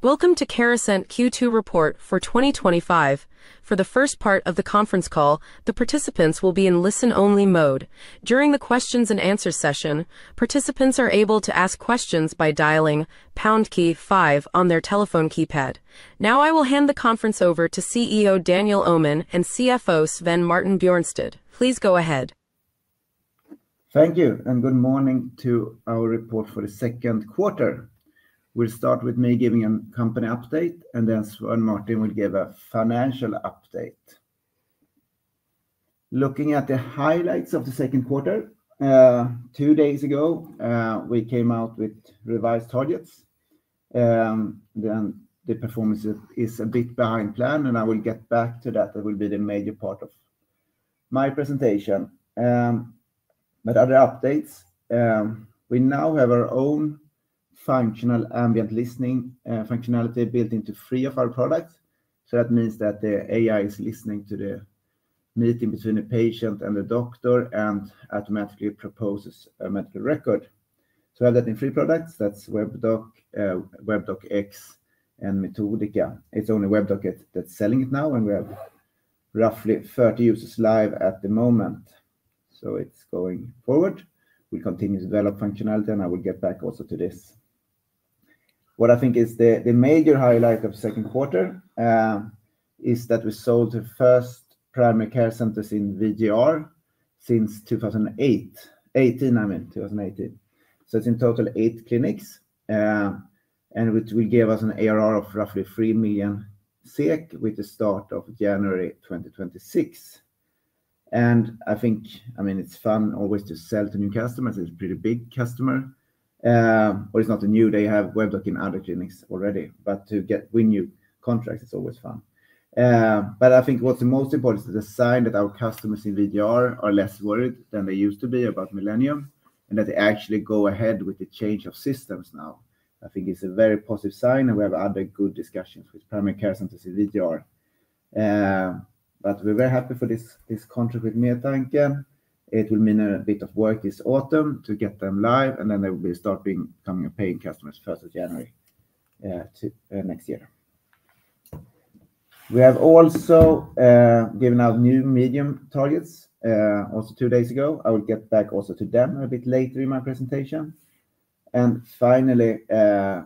Welcome to Carasent Q2 Report for 2025. For the first part of the conference call, the participants will be in listen only mode. During the questions and answers session, participants are able to ask questions by dialing pound key five on their telephone keypad. Now I will hand the conference over to CEO Daniel Öhman and CFO Svein Martin Bjørnstad. Please go ahead. Thank you and good morning to our report for the second quarter. We'll start with me giving a company update and then Martin will give a financial update. Looking at the highlights of the second quarter, two days ago we came out with revised targets. The performance is a bit behind plan and I will get back to that. That will be the major part of my presentation. Other updates: we now have our own functional ambient AI-listening functionality built into three of our products. That means that the AI is listening to the meeting between the patient and the doctor and automatically proposes a medical record. We have that in three products: Webdoc, Webdoc X, and Metodika. It's only Webdoc that's selling it now, with roughly 30 users live at the moment. It's going forward. We continue to develop functionality and I will get back also to this. What I think is the major highlight of the second quarter is that we sold the first primary care centers in VGR since 2018. It's in total 8 clinics, which gave us an ARR of roughly 3 million SEK with the start of January 2026. I think it's fun always to sell to new customers. It's a pretty big customer, or it's not new, they have Webdoc in other clinics already, but to win new contracts is always fun. I think what's the most important is the sign that our customers in Västra Götalandsregionen are less worried than they used to be about Millennium and that they actually go ahead with the change of systems now. I think it's a very positive sign and we have under good discussions with primary care center CDR, but we're very happy for this contract with Medtanken. It will mean a bit of work this autumn to get them live and then they will start becoming a paying customer 1st of January next year. We have also given out new medium targets also two days ago. I will get back also to them a bit later in my presentation. Finally,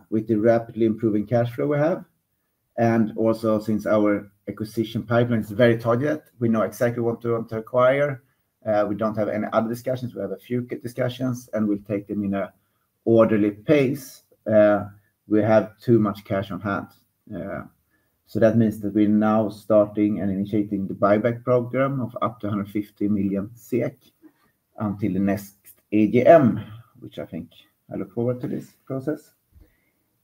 with the rapidly improving cash flow we have, and also since our acquisition pipeline is very targeted, we know exactly what we want to acquire. We don't have any other discussions, we have a few discussions and we'll take them in an orderly pace. We have too much cash on hand. That means that we're now starting and initiating the buyback program of up to 150 million SEK until the next AGM, which I think I look forward to this process.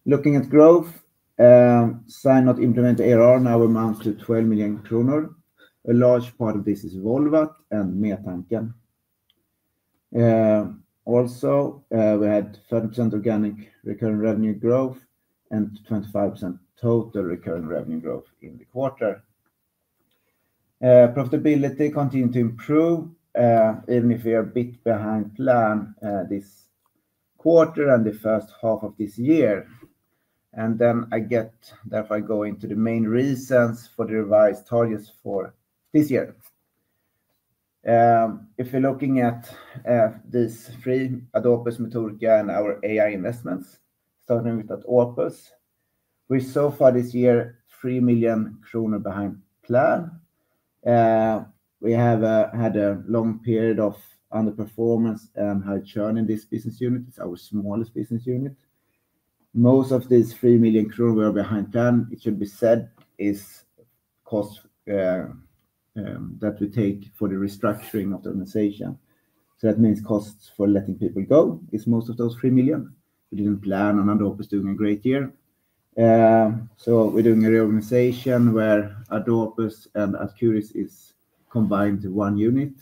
Looking at growth, signed not implemented ARR now amounts to 12 million kronor. A large part of this is Volvat and Medtanken. Also, we had 30% organic recurring revenue growth and 25% total recurring revenue growth in the quarter. Profitability continued to improve even if we're a bit behind plan this quarter and the first half of this year. I get that by going to the main reasons for the revised targets for this year. If you're looking at this for Ad Opus, Metodika, and our AI investments, starting with Ad Opus, we so far this year are 3 million kronor behind plan. We have had a long period of underperformance and high churn in this business unit. It's our smallest business unit. Most of these 3 million we are behind on, it should be said, is cost that we take for the restructuring of the organization. That means costs for letting people go. Most of those 3 million we didn't plan, and Ad Opus is doing a great year. We're doing a reorganization where Ad Opus and Ad Curis are combined into one unit.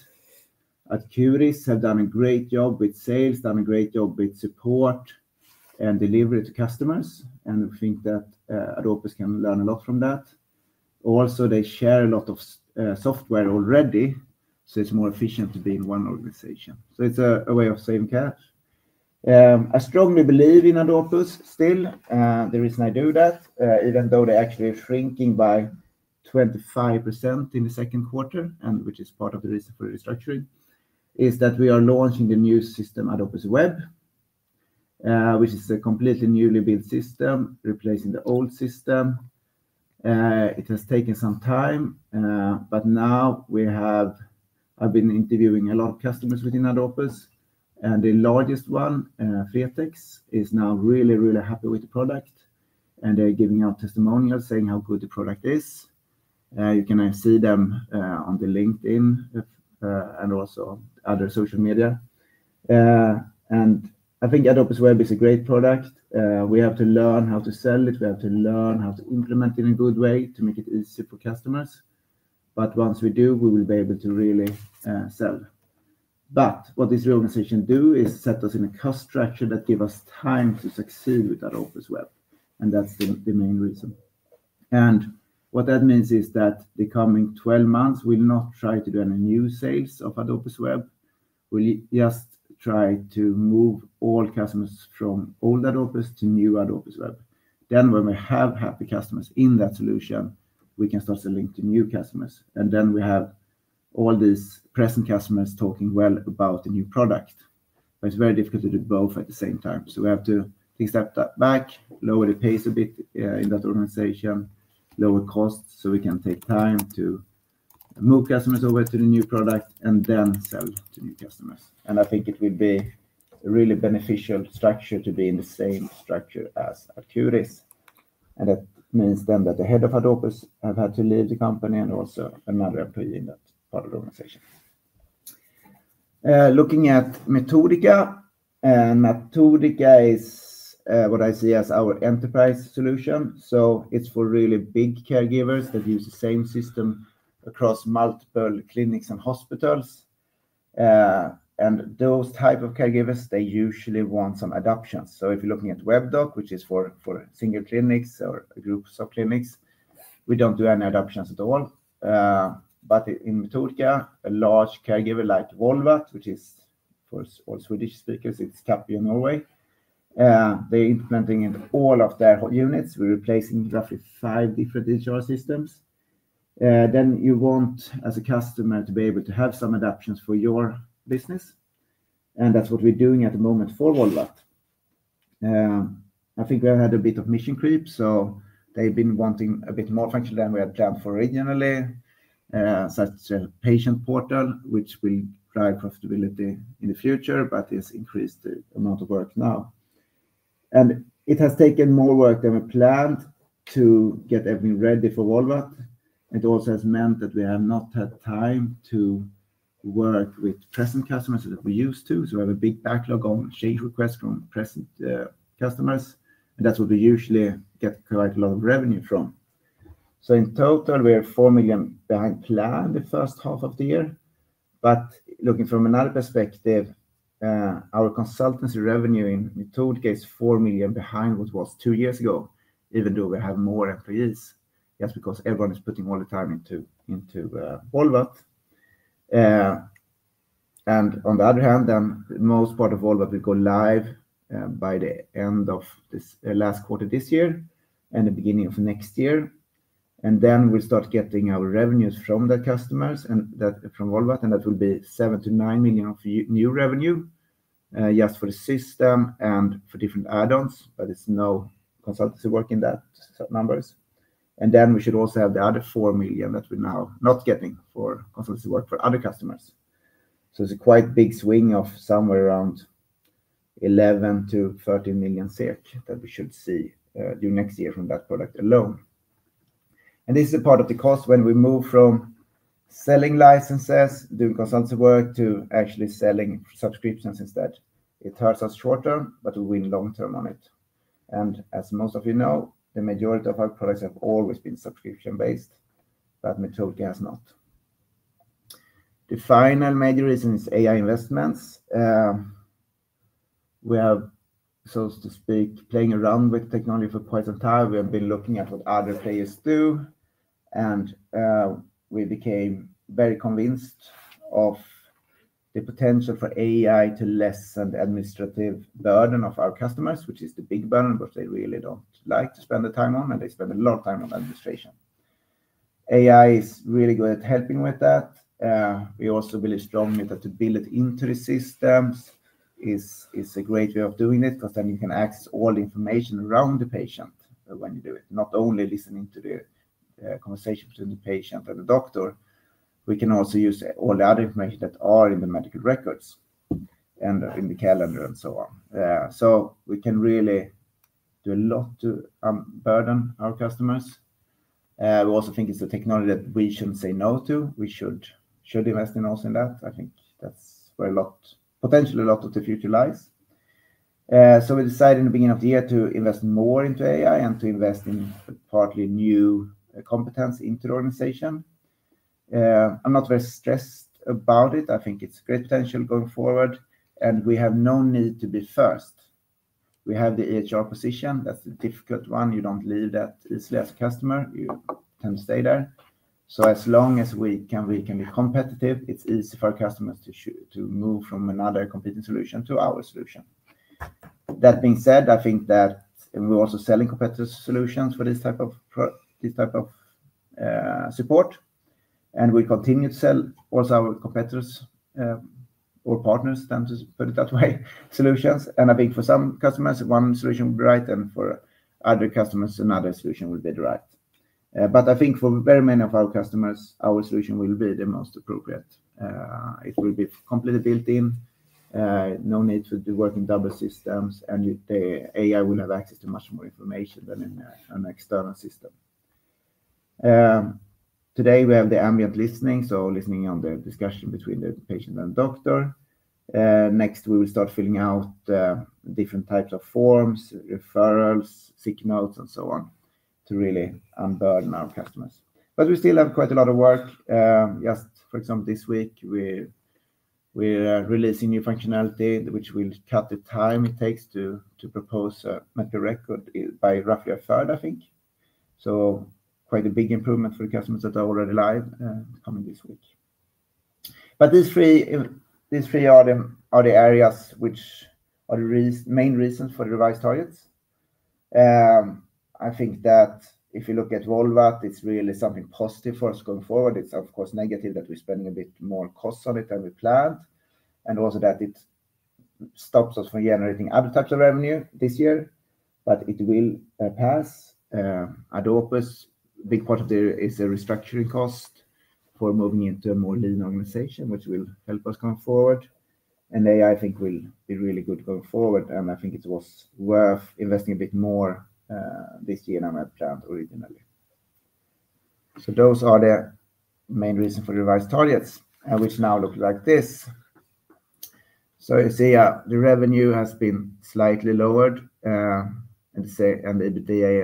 Ad Curis has done a great job with sales, done a great job with support and delivery to customers, and I think that Ad Opus can learn a lot from that. They also share a lot of software already, so it's more efficient to be in one organization. It's a way of saving cash. I strongly believe in Ad Opus still. The reason I do that, even though they actually are shrinking by 25% in the second quarter, which is part of the restructuring, is that we are launching the new system Ad Opus Web, which is a completely newly built system replacing the old system. It has taken some time, but now we have been interviewing a lot of customers within Ad Opus, and the largest one, Free Optics, is now really, really happy with the product, and they're giving out testimonials saying how good the product is. You can see them on LinkedIn and also other social media, and I think Ad Opus Web is a great product. We have to learn how to sell it, we have to learn how to implement it in a good way to make it easy for customers. Once we do, we will be able to really sell. What this reorganization does is set us in a cost structure that gives us time to succeed with Ad Opus Web, and that's the main reason. What that means is that the coming 12 months we will not try to do any new sales of Ad Opus Web. We just try to move all customers from old Ad Opus to new Ad Opus Web. When we have happy customers in that solution, we can start selling to new customers, and then we have all these present customers talking well about a new product. It's very difficult to do both at the same time. We have to accept that, lower the pace a bit in that organization, lower costs so we can take time to move customers over to the new product and then sell to new customers. I think it would be a really beneficial structure to be in the same structure as Ad Curis. That means that the head of Ad Opus has had to leave the company and also another employee in that part of the organization. Looking at Metodika, Metodika is what I see as our enterprise solution. It's for really big caregivers that use the same system across multiple clinics and hospitals. Those types of caregivers usually want some adaptions. If you're looking at Webdoc, which is for single clinics or groups of clinics, we don't do any adaptions at all. In Metodika, a large caregiver like Volvat, which is for all Swedish speakers, it's Tapio, Norway, they're implementing into all of their units. We're replacing roughly five different digital systems. You want as a customer to be able to have some adaptions for your business, and that's what we're doing at the moment. For Volvat, I think we had a bit of mission creep. They've been wanting a bit more function than we had planned for originally, such as a patient portal, which will drive profitability in the future. It's increased the amount of work now and it has taken more work than we planned to get everything ready. For Volvat, it also has meant that we have not had time to work with present customers that we used to. We have a big backlog on change requests from present customers and that's what we usually get quite a lot of revenue from. In total, we have 4 million banked in the first half of the year. Looking from another perspective, our consultancy revenue in total is 4 million behind what it was two years ago, even though we have more employees, just because everyone is putting all the time into Volvat. On the other hand, most parts of Volvat will go live by the end of this last quarter this year and the beginning of next year. We start getting our revenues from the customers and that from Volvat. That will be 7 million-9 million of new revenue just for the system and for different add-ons, but there's no consultancy work in those numbers. We should also have the other 4 million that we're now not getting or work for other customers. It's a quite big swing of somewhere around 11 million-13 million SEK that we should see due next year from that product alone. This is a part of the cost when we move from selling licenses, doing consultancy work to actually selling subscriptions instead. It hurts us short term, but we win long term on it. As most of you know, the majority of our products have always been subscription based, but majority has not. The final major reason is AI investments. We are, so to speak, playing around with technology. For quite some time we have been looking at what other players do and we became very convinced of the potential for AI to lessen the administrative burden of our customers, which is the big burden which they really don't like to spend the time on. They spend a lot of time on administration. AI is really good at helping with that. We also believe strongly that to build inter systems is a great way of doing it because then you can access all the information around the patient when you do it. Not only listening to the conversation between the patient and the doctor, we can also use all the other information that are in the medical records and in the calendar and so on. We can really do a lot to burden our customers. I also think it's a technology that we shouldn't say no to. We should invest in also that. I think that's where a lot, potentially a lot of the future lies. We decided in the beginning of the year to invest more into AI and to invest in partly new competence into the organization. I'm not very stressed about it. I think it's great potential going forward and we have no need to be first. We have the HR position. That's a difficult one. You don't need that easily as customer, you tend to stay there. As long as we can, we can be competitive. It's easy for customers to move from another competing solution to our solution. That being said, I think that we're also selling competitors' solutions for this type of support and we continue to sell also our competitors or partners, tend to put it that way, solutions. I think for some customers one solution will be right and for other customers another solution will be the right, but I think for very many of our customers our solution will be the most appropriate. It will be completely built in, no need to work in double systems and the AI will have access to much more information than in an external system. Today we have the ambient listening, so listening on the discussion between the patient and doctor. Next we will start filling out different types of forms, referrals, sick notes and so on to really unburden our customers. We still have quite a lot of work. For example, this week we are releasing new functionality which will cut the time it takes to propose the record by roughly a third, I think. Quite a big improvement for customers that are already live coming this week. These three are the areas which are the main reason for the revised targets. If you look at Volvat, it's really something positive for us going forward. It's of course negative that we're spending a bit more costs on it than we planned and also that it stops us from generating other types of revenue this year, but it will pass. At Ad Opus, a big part of this is a restructuring cost for moving into a more lean organization which will help us going forward and I think will be really good going forward. I think it was worth investing a bit more in this [GNRMAP] plan originally. Those are the main reasons for revised targets which now look like this. You see the revenue has been slightly lowered and the EBITDA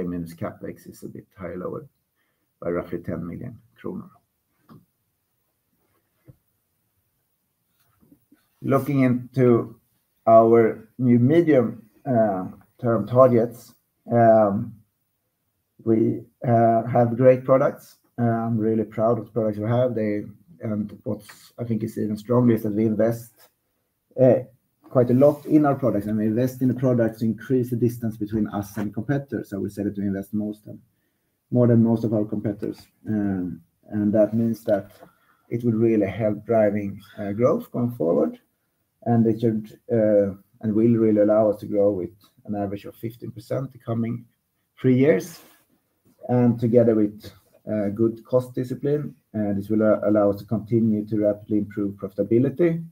and CapEx is a bit higher, lower by roughly 10 million kronor. Looking into our new medium term targets, we have great products. I'm really proud of the products we have and what I think is even stronger is that we invest quite a lot in our products and we invest in the products to increase the distance between us and competitors. We said to invest more than most of our competitors and that means that it will really help driving growth going forward and it should and will really allow us to grow with an average of 15% the coming three years and together with good cost discipline, this will allow us to continue to rapidly improve profitability,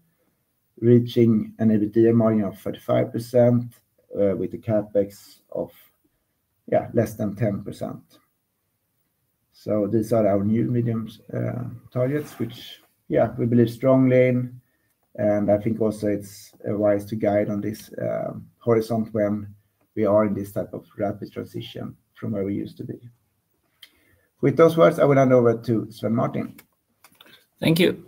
reaching an EBITDA margin of 35% with the CapEx of, yeah, less than 10%. These are our new medium targets which, yeah, we believe strongly in and I think also it's wise to guide on this horizontal when we are in this type of rapid transition from where we used to be. With those words I will hand over to Svein Martin. Thank you.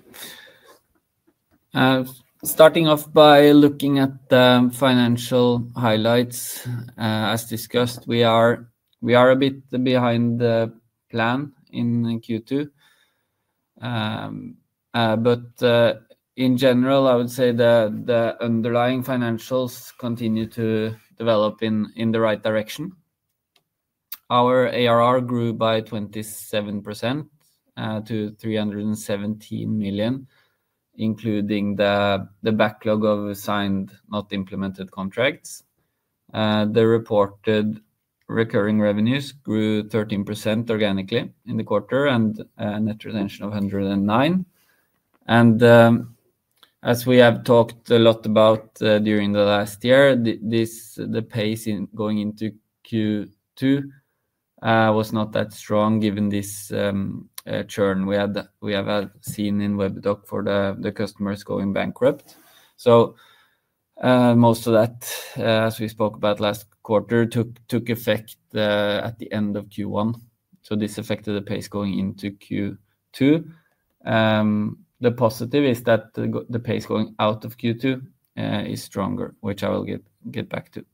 Starting off by looking at the financial highlights. As discussed, we are a bit behind the plan in Q2. In general, I would say the underlying financials continue to develop in the right direction. Our ARR grew by 27% to 317 million including the backlog of signed not implemented contracts. The reported recurring revenues grew 13% organically in the quarter and net retention of 109%. As we have talked a lot about during the last year, the pace going into Q2 was not that strong. Given this churn, we have seen in Webdoc for the customers going bankruptcy. Most of that, as we spoke about last quarter, took effect at the end of Q1. This affected the pace going into Q2. The positive is that the pace going out of Q2 is stronger, which I will get back to.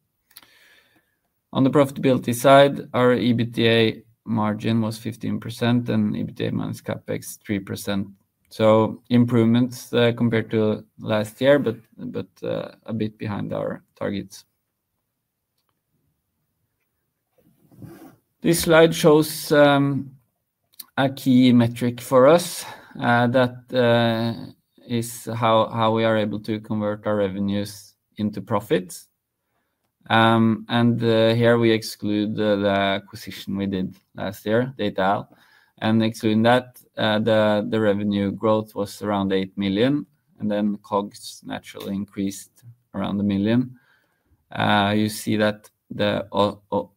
On the profitability side, our EBITDA margin was 15% and EBITDA minus CapEx 3%. Improvements compared to last year, but a bit behind our targets. This slide shows a key metric for us. That is how we are able to convert our revenues into profits. Here we exclude the acquisition we did last year. Next to that, the revenue growth was around 8 million and then COGS naturally increased around 1 million. You see that the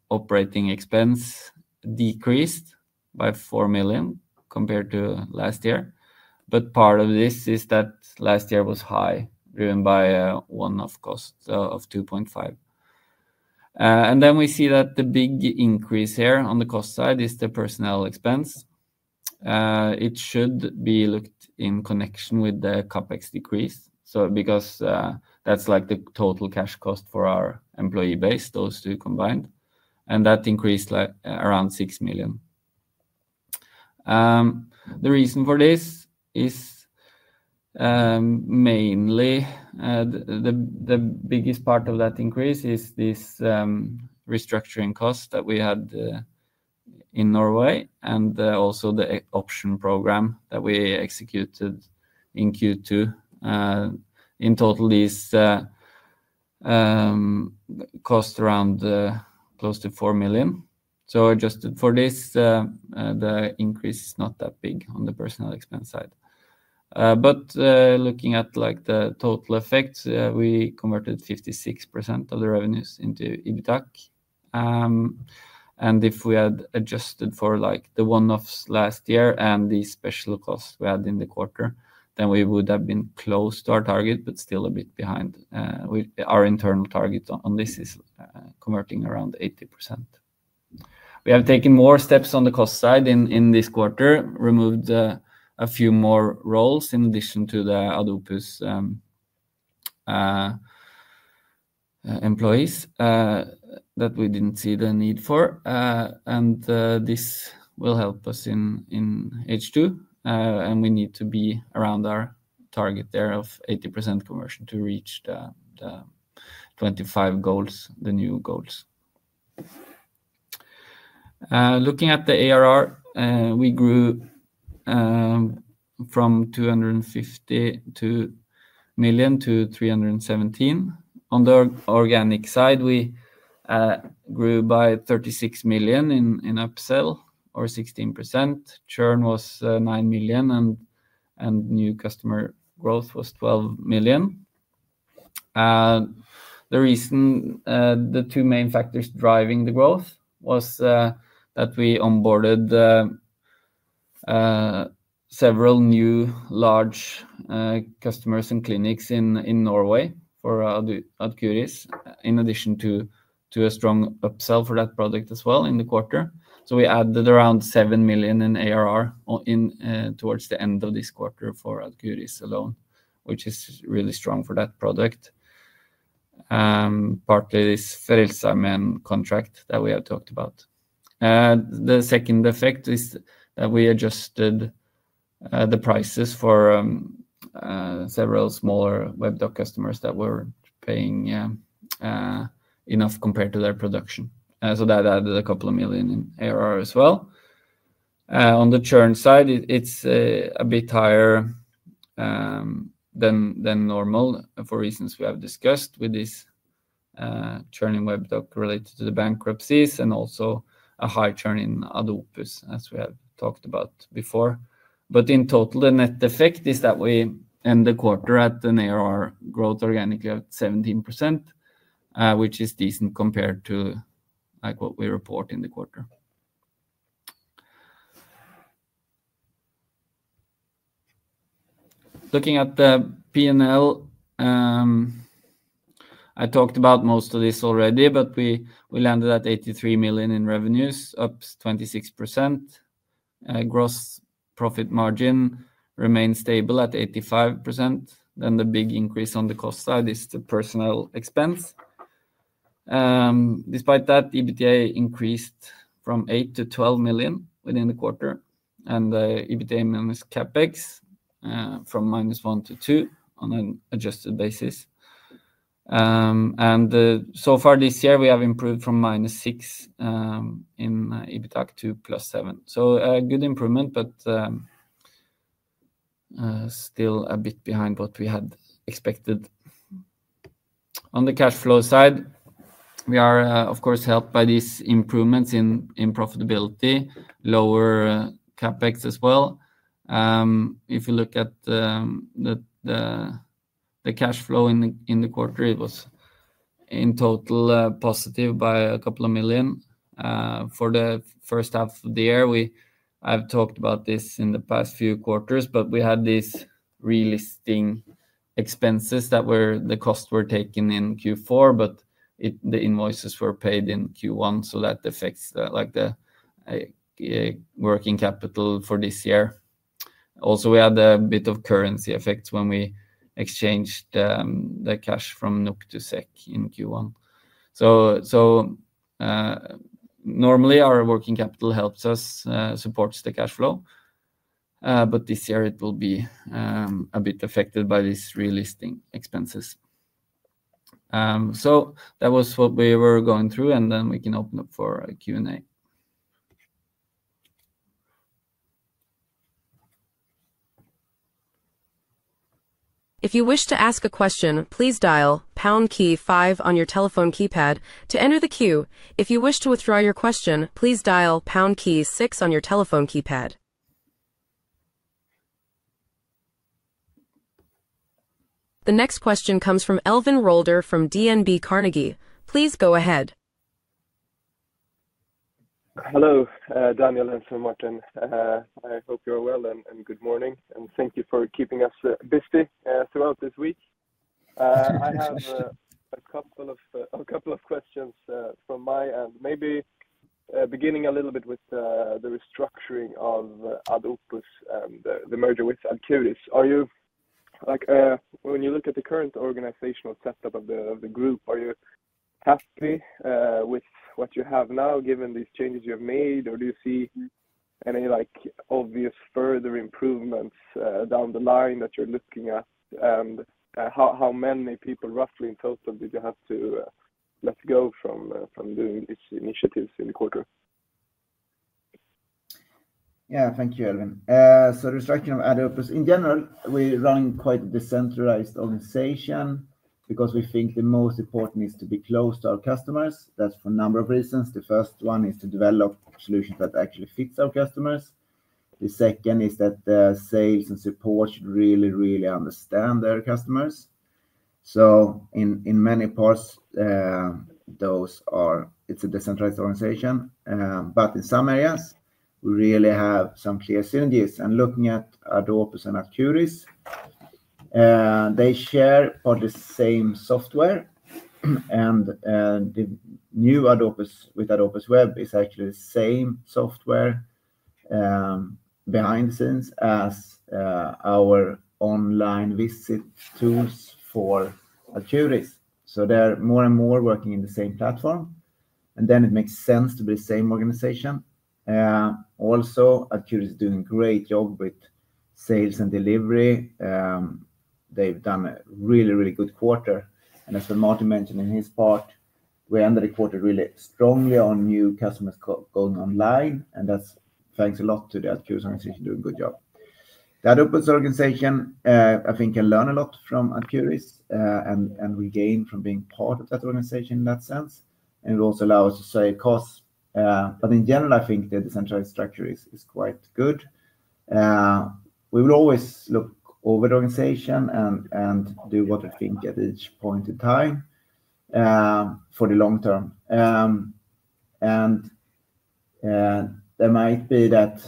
operating expense decreased by 4 million compared to last year. Part of this is that last year was high driven by a one-off cost of 2.5 million. We see that the big increase here on the cost side is the personnel expense. It should be looked at in connection with the CapEx decrease because that's like the total cash cost for our employee base, those two combined, and that increased like around 6 million. The reason for this is mainly the biggest part of that increase is this restructuring cost that we had in Norway and also the option program that we executed in Q2. In total, this cost around close to 4 million. Just for this, the increase is not that big on the personnel expense side. Looking at the total effects, we converted 56% of the revenues into EBITDAC. If we had adjusted for the one-offs last year and the special costs we had in the quarter, then we would have been close to our target but still a bit behind. Our internal target on this is converting around 80%. We have taken more steps on the cost side in this quarter, removed a few more roles in addition to the Ad Opus employees that we didn't see the need for. This will help us in H2 and we need to be around our target there of 80% conversion to reach the 2025 goals, the new goals. Looking at the ARR, we grew from 252 million to 317 million. On the organic side, we grew by 36 million in upsell or 16%. Churn was 9 million and new customer growth was 12 million. The two main factors driving the growth were that we onboarded several new large customers and clinics in Norway for Ad Curis, in addition to a strong upsell for that product as well in the quarter. We added around 7 million in ARR towards the end of this quarter for Ad Curis alone, which is really strong for that product, partly this Frelsesarmeen main contract that we have talked about. The second effect is that we adjusted the prices for several smaller Webdoc customers that were not paying enough compared to their production, so that added a couple of million in ARR as well. On the churn side, it's a bit higher than normal for reasons we have discussed with this churning Webdoc related to the bankruptcies and also a high churn in Ad Opus as we have talked about before. In total, the net effect is that we end the quarter at an ARR growth organically at 17%, which is decent compared to what we report in the quarter. Looking at the P&L. I talked about most of this already, but we landed at 83 million in revenues, up 26%. Gross profit margin remains stable at 85%. The big increase on the cost side is the personnel expense. Despite that, EBITDA increased from 8 million to 12 million within the quarter, and the EBITDA minus CapEx from -1 million to -2 million on an adjusted basis. So far this year, we have improved from -6 million in EBITDAC to +7 million. A good improvement, but still a bit behind what we had expected. On the cash flow side, we are of course helped by these improvements in profitability and lower CapEx as well. If you look at the cash flow in the quarter, it was in total positive by a couple of million for the first half of the year. I've talked about this in the past few quarters, but we had these relisting expenses that were the costs taken in Q4, but the invoices were paid in Q1. That affects the working capital for this year. We also had a bit of currency effects when we exchanged the cash from NOK to SEK in Q1. Normally, our working capital helps us support the cash flow, but this year it will be a bit affected by these relisting expenses. That was what we were going through, and we can open up for a Q&A. If you wish to ask a question, please dial on your telephone keypad to enter the queue. If you wish to withdraw your question, please dial pound key six on your telephone keypad. The next question comes from Elvin Rolder from DNB Carnegie. Please go ahead. Hello Daniel and Svein Martin. I hope you're well and good morning and thank you for keeping us busy throughout this week. I have a couple of questions from my end, maybe beginning a little bit with the restructuring of Ad Opus, the merger with Ad Curis. When you look at the current organizational setup of the group, are you happy with what you have now given these changes you have made, or do you see any obvious further improvements down the line that you're looking at? How many people roughly in total did you have to let go from doing initiatives in the quarter? Yeah. Thank you, Elvin. Restructuring of Ad Opus in general, we run quite a decentralized organization because we think the most important is to be close to our customers. That's for a number of reasons. The first one is to develop solutions that actually fit our customers. The second is that the sales and support should really, really understand their customers. In many parts, it's a decentralized organization, but in some areas we really have some clear synergies, and looking at Ad Opus and activities, they share the same software. The new Ad Opus with Ad Opus Web is actually the same software behind the scenes as our online visit tools for Ad Curis. They're more and more working in the same platform, and it makes sense to be the same organization. Also, Ad Curis is doing a great job with sales and delivery. They've done a really, really good quarter, and as Martin mentioned in his part, we ended the quarter really strongly on new customers going online, and that's thanks a lot to the Ad Curis organization doing a good job. The Ad Opus organization, I think, can learn a lot from Ad Curis, and we gain from being part of that organization in that sense, and it also allows us to save costs. In general, I think the decentralized structure is quite good. We will always look over the organization and do what we think at each point in time for the long term, and there might be that,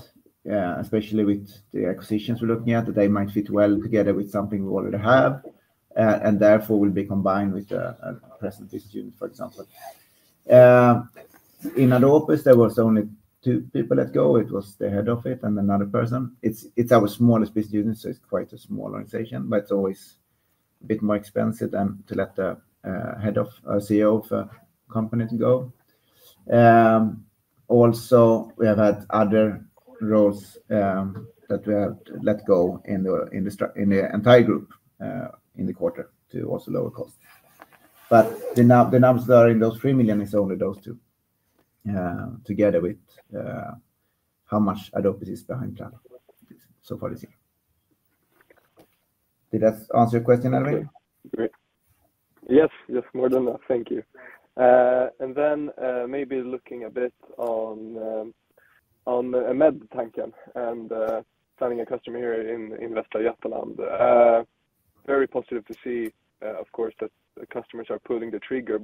especially with the acquisitions we're looking at, that they might fit well together with something we already have and therefore will be combined with present structure. For example, in Ad Opus there were only two people that go, it was the Head of IT and another person. It's our smallest business unit. It's quite a small organization, but it's always been more expensive than to let the Head or CEO of companies go. Also, we have had other roles that we have let go in the entire group in the quarter to also lower cost. The numbers that are in those 3 million is only those two together with how much Ad Opus is behind channel so far this year. Did that answer your question, Elvin? Yes, yes, more than that. Thank you. Maybe looking a bit on Medtanken and finding a customer here in Västra Götaland, very positive to see of course that customers are pulling the trigger.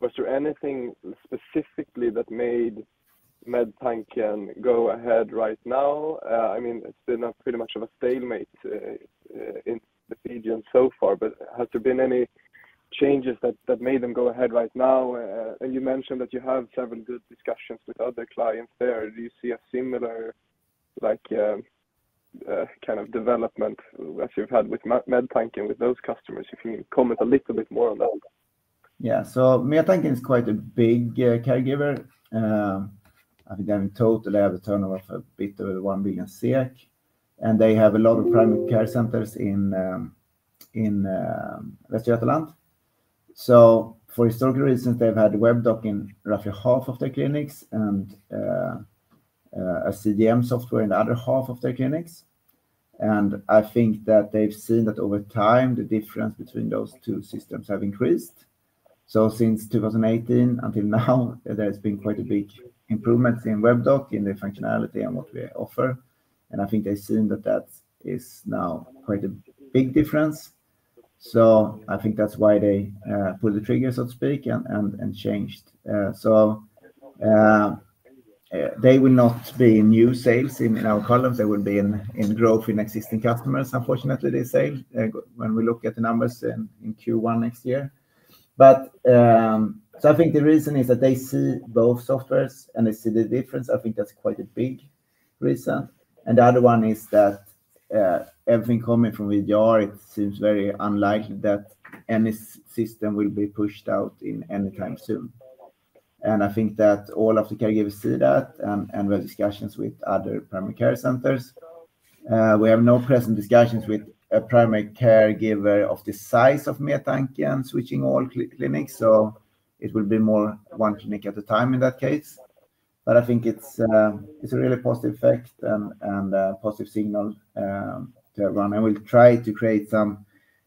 Was there anything specifically that made Medtanken go ahead right now? I mean they're not pretty much of a stalemate in the region so far. Has there been any changes that made them go ahead right now? You mentioned that you have several good discussions with other clients there. Do you see a similar kind of development as you've had with Medtanken with those customers? If you comment a little bit more on that. Yeah. Medtanken is quite a big caregiver. I think they totally have the turnover for bit one being a CEC and they have a lot of primary care centers in Västra Götaland. For historical reasons they've had Webdoc in roughly half of the clinics and a CDM software in the other half of the clinics. I think that they've seen that over time the difference between those two systems has increased. Since 2018 until now there's been quite big improvements in Webdoc in the functionality and what we offer. I think they assume that that is now quite a big difference. I think that's why they pulled the trigger, so to speak, and changed. They will not be new sales in our column. They will be in growth in existing customers. Unfortunately, they sales when we look at the numbers in Q1 next year. I think the reason is that they see both softwares and they see the difference. I think that's quite a big reason. The other one is that everything coming from VGR, it seems very unlikely that any system will be pushed out anytime soon. I think that all of the caregivers see that and we have discussions with other primary care centers. We have no present discussions with a primary caregiver of the size of Medtanken switching all clinics. It will be more one clinic at a time in that case. I think it's a really positive effect and positive signal to everyone. I will try to create some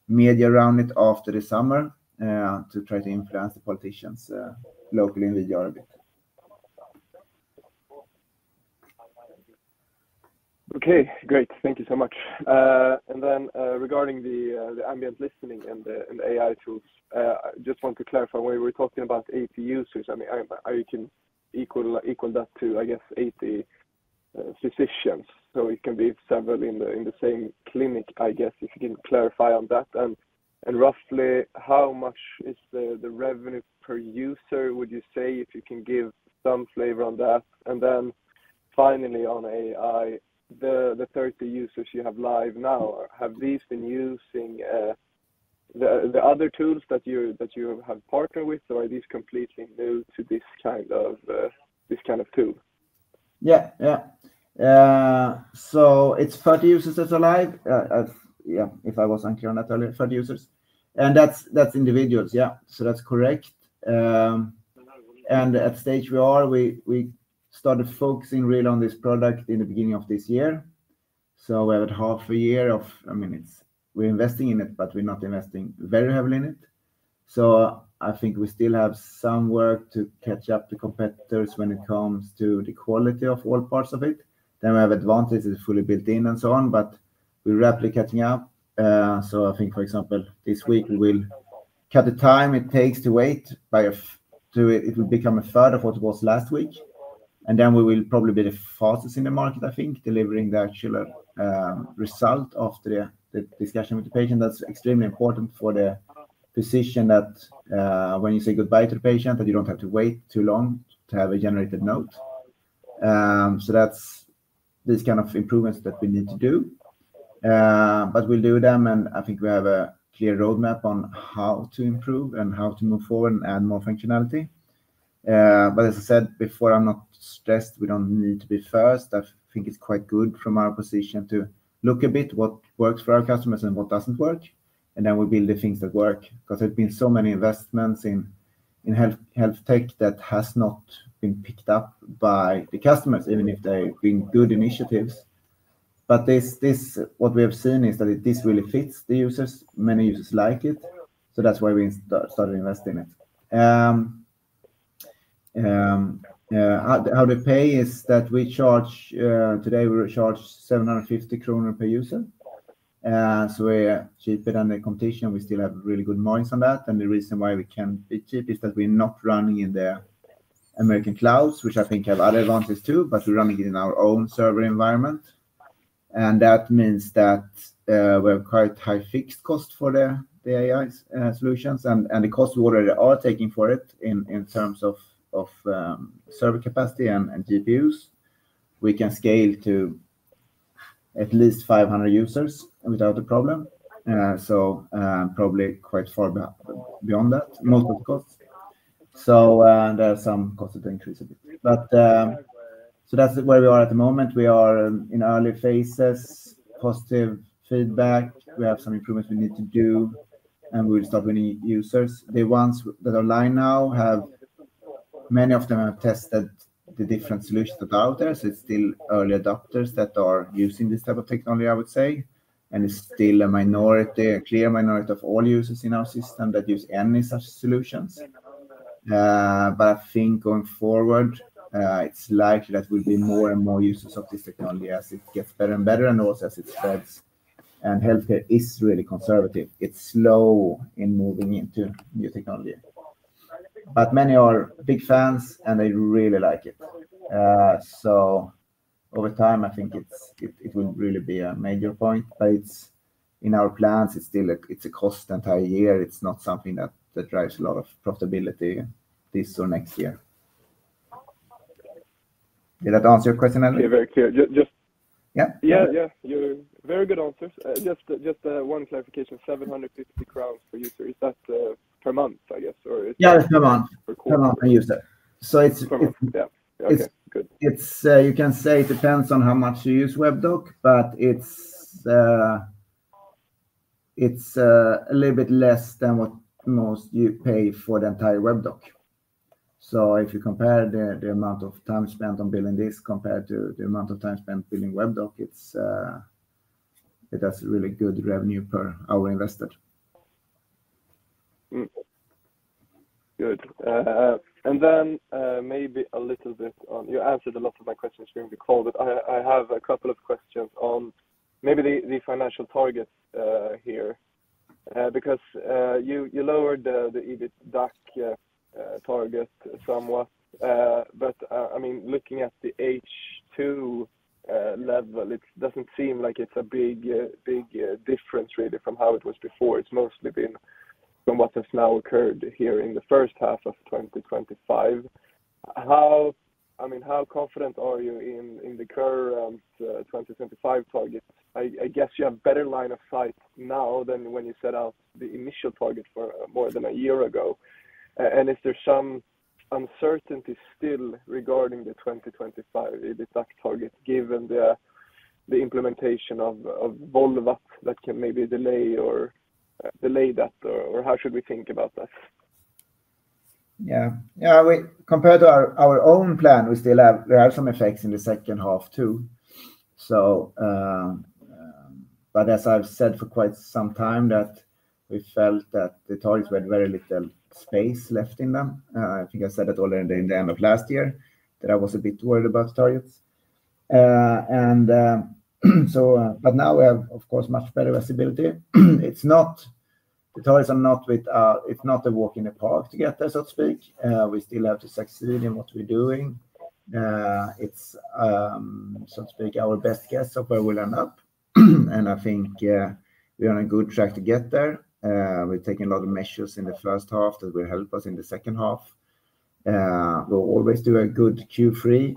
media around it after the summer to try to influence the politicians locally in the region. Okay, great. Thank you so much. Regarding the ambient AI-listening and the AI tools, I just want to clarify when we're talking about AP users. I mean, I can equal that to, I guess, 80 physicians, so it can be several in the same clinic. I guess if you can clarify on that. Roughly, how much is the revenue per user, would you say? If you can give some flavor on that. Finally, on AI, the 30 users you have live now, have these been using the other tools that you have partnered with, or are these completely new to this kind of tool? Yeah, yeah. So it's 30 users that's live. Yeah. If I was on [Kyona] for users, and that's individuals. Yeah, so that's correct. At stage we are, we started focusing really on this product in the beginning of this year. So we have half-a-year of, I mean we're investing in it, but we're not investing very heavily in it. I think we still have some work to catch up to competitors when it comes to the quality of all parts of it. We have advantages fully built in and so on, but we're rapidly catching up. I think for example, this week we will cut the time it takes to wait by, it will become a third of what it was last week and we will probably be the fastest in the market. I think delivering the actual result after the discussion with the patient, that's extremely important for the physician that when you say goodbye to the patient that you don't have to wait too long to have a generated note. These kind of improvements that we need to do, we'll do them. I think we have a clear roadmap on how to improve and how to move forward and add more functionality. As I said before, I'm not stressed. We don't need to be first. I think it's quite good from our position to look a bit what works for our customers and what doesn't work and then we build the things that work. There's been so many investments in health tech that has not been picked up by the customers, even if they bring good initiatives. What we have seen is that this really fits the users. Many users like it. That's why we started investing in it. How they pay is that we charge today, we charge 750 kronor per user. We're cheaper than the competition. We still have really good minds on that. The reason why we can be cheap is that we're not running in the American clouds, which I think have other advantages too. We're running it in our own server environment and that means that we have quite high fixed cost for the AI-driven solutions and the cost you already are taking for it in terms of server capacity and GPUs. We can scale to at least 500 users without a problem, so probably quite far beyond that multiple costs. There are some cost increases, but that's where we are at the moment. We are in early phases, positive feedback. We have some improvements we need to do and we will stop any users. The ones that are live now, many of them have tested the different solutions out there. It's still early adopters that are using this type of technology, I would say, and it's still a minority, a clear minority of all users in our system that use any such solutions. I think going forward it's likely that there will be more and more uses of this technology as it gets better and better and also as it spreads. Healthcare is really conservative. It's slow in moving into new technology, but many are big fans and they really like it. Over time I think it will really be a major point. In our plans it's still a cost entire year. It's not something that drives a lot of profitability this or next year. Did that answer your question, Elvin? Yeah, very clear. Very good answers. Just one clarification. 750 crowns per user, is that per month, I guess, or is. Yeah, that's per month, per month and use it. It's. Yeah, okay, good. You can say it depends on how much you use Webdoc, but it's a little bit less than what most you pay for the entire Webdoc. If you compare the amount of time spent on building this compared to the amount of time spent building Webdoc, it has really good revenue per hour invested. Good. You answered a lot of my questions during the call, but I have a couple of questions on the financial target here because you lowered the EBITDAC target. Looking at the H2 level, it doesn't seem like it's a big difference really from how it was before. It's mostly been from what has now occurred here in the first half of 2025. How confident are you in the current 2025 target? I guess you have better line of sight now than when you set out the initial target for more than a year ago, and is there some uncertainty still regarding the 2025 EBITDA target given the implementation of Volvat that can maybe delay that, or how should we think about that? Yeah, compared to our own plan, we still have. There are some effects in the second half too. As I've said for quite some time, we felt that the targets were very little space left in them. I think I said it already in the end of last year that I was a bit worried about targets, and now we have of course much better visibility. It's not a walk in the park together, so to speak. We still have to succeed in what we're doing. It's, so to speak, our best guess of where we'll end up. I think we're on a good track to get there. We've taken a lot of measures in the first half that will help us in the second half. We'll always do a good Q3.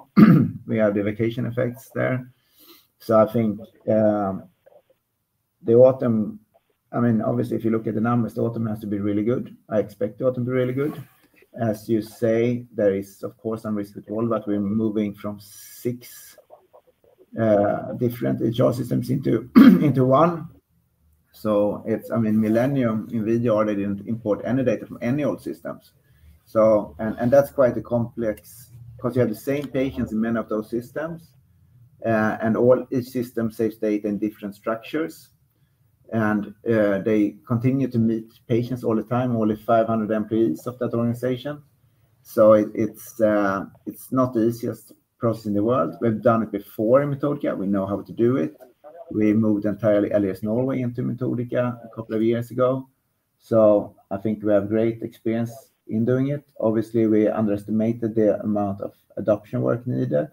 We have the vacation effects there. I think the autumn, I mean obviously if you look at the numbers, the autumn has to be really good. I expect autumn to be really good, as you say. There is of course unrest at all, but we're moving from six different HR systems into one. I mean, Millennium [NVIDIA] already didn't import any data from any old systems, and that's quite complex because you have the same patients in many of those systems and each system saves data in different structures, and they continue to meet patients all the time. Only 500 employees of that organization, so it's not the easiest process in the world. We've done it before in Metodika. We know how to do it. We moved entirely Norway into Metodika a couple of years ago. I think we have great experience in doing it. Obviously, we underestimated the amount of adoption work needed.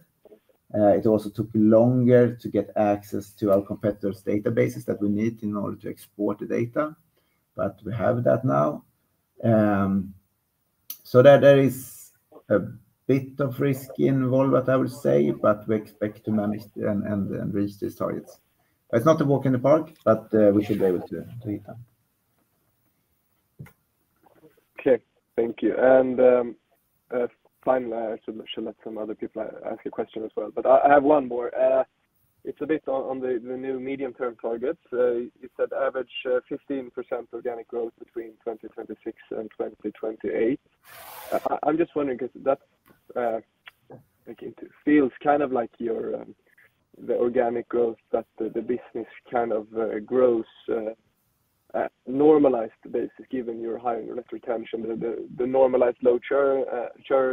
It also took longer to get access to our competitors' databases that we need in order to export the data, but we have that now so that there is a bit of risk involved, I would say. We expect to manage and reach these targets. It's not a walk in the park, but we should be able to hit that. Okay, thank you. I should let some other people ask a question as well, but I have one more. It's a bit on the new medium term target. It's that average 15% organic growth between 2026 and 2028. I'm just wondering because that feels kind of like the organic growth that the business grows on a normalized basis given your high retention, the normalized low churn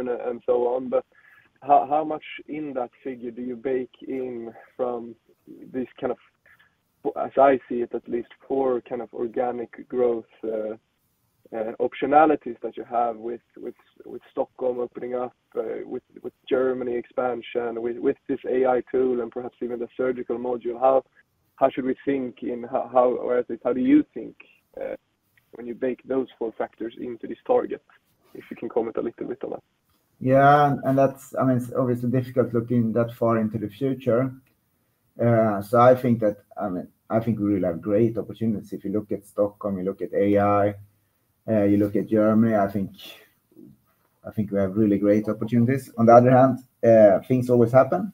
and so on. How much in that figure do you bake in from this kind of, as I see it, at least four kind of organic growth optionalities that you have with Stockholm opening up, with Germany expansion, with this AI tool, and perhaps even the surgical module? How should we think in, how do you think when you bake those four factors into this target? If you can comment a little bit on that. Yeah, it's obviously difficult looking that far into the future. I think we will have great opportunities. If you look at Stockholm, you look at AI, you look at Germany, I think we have really great opportunities. On the other hand, things always happen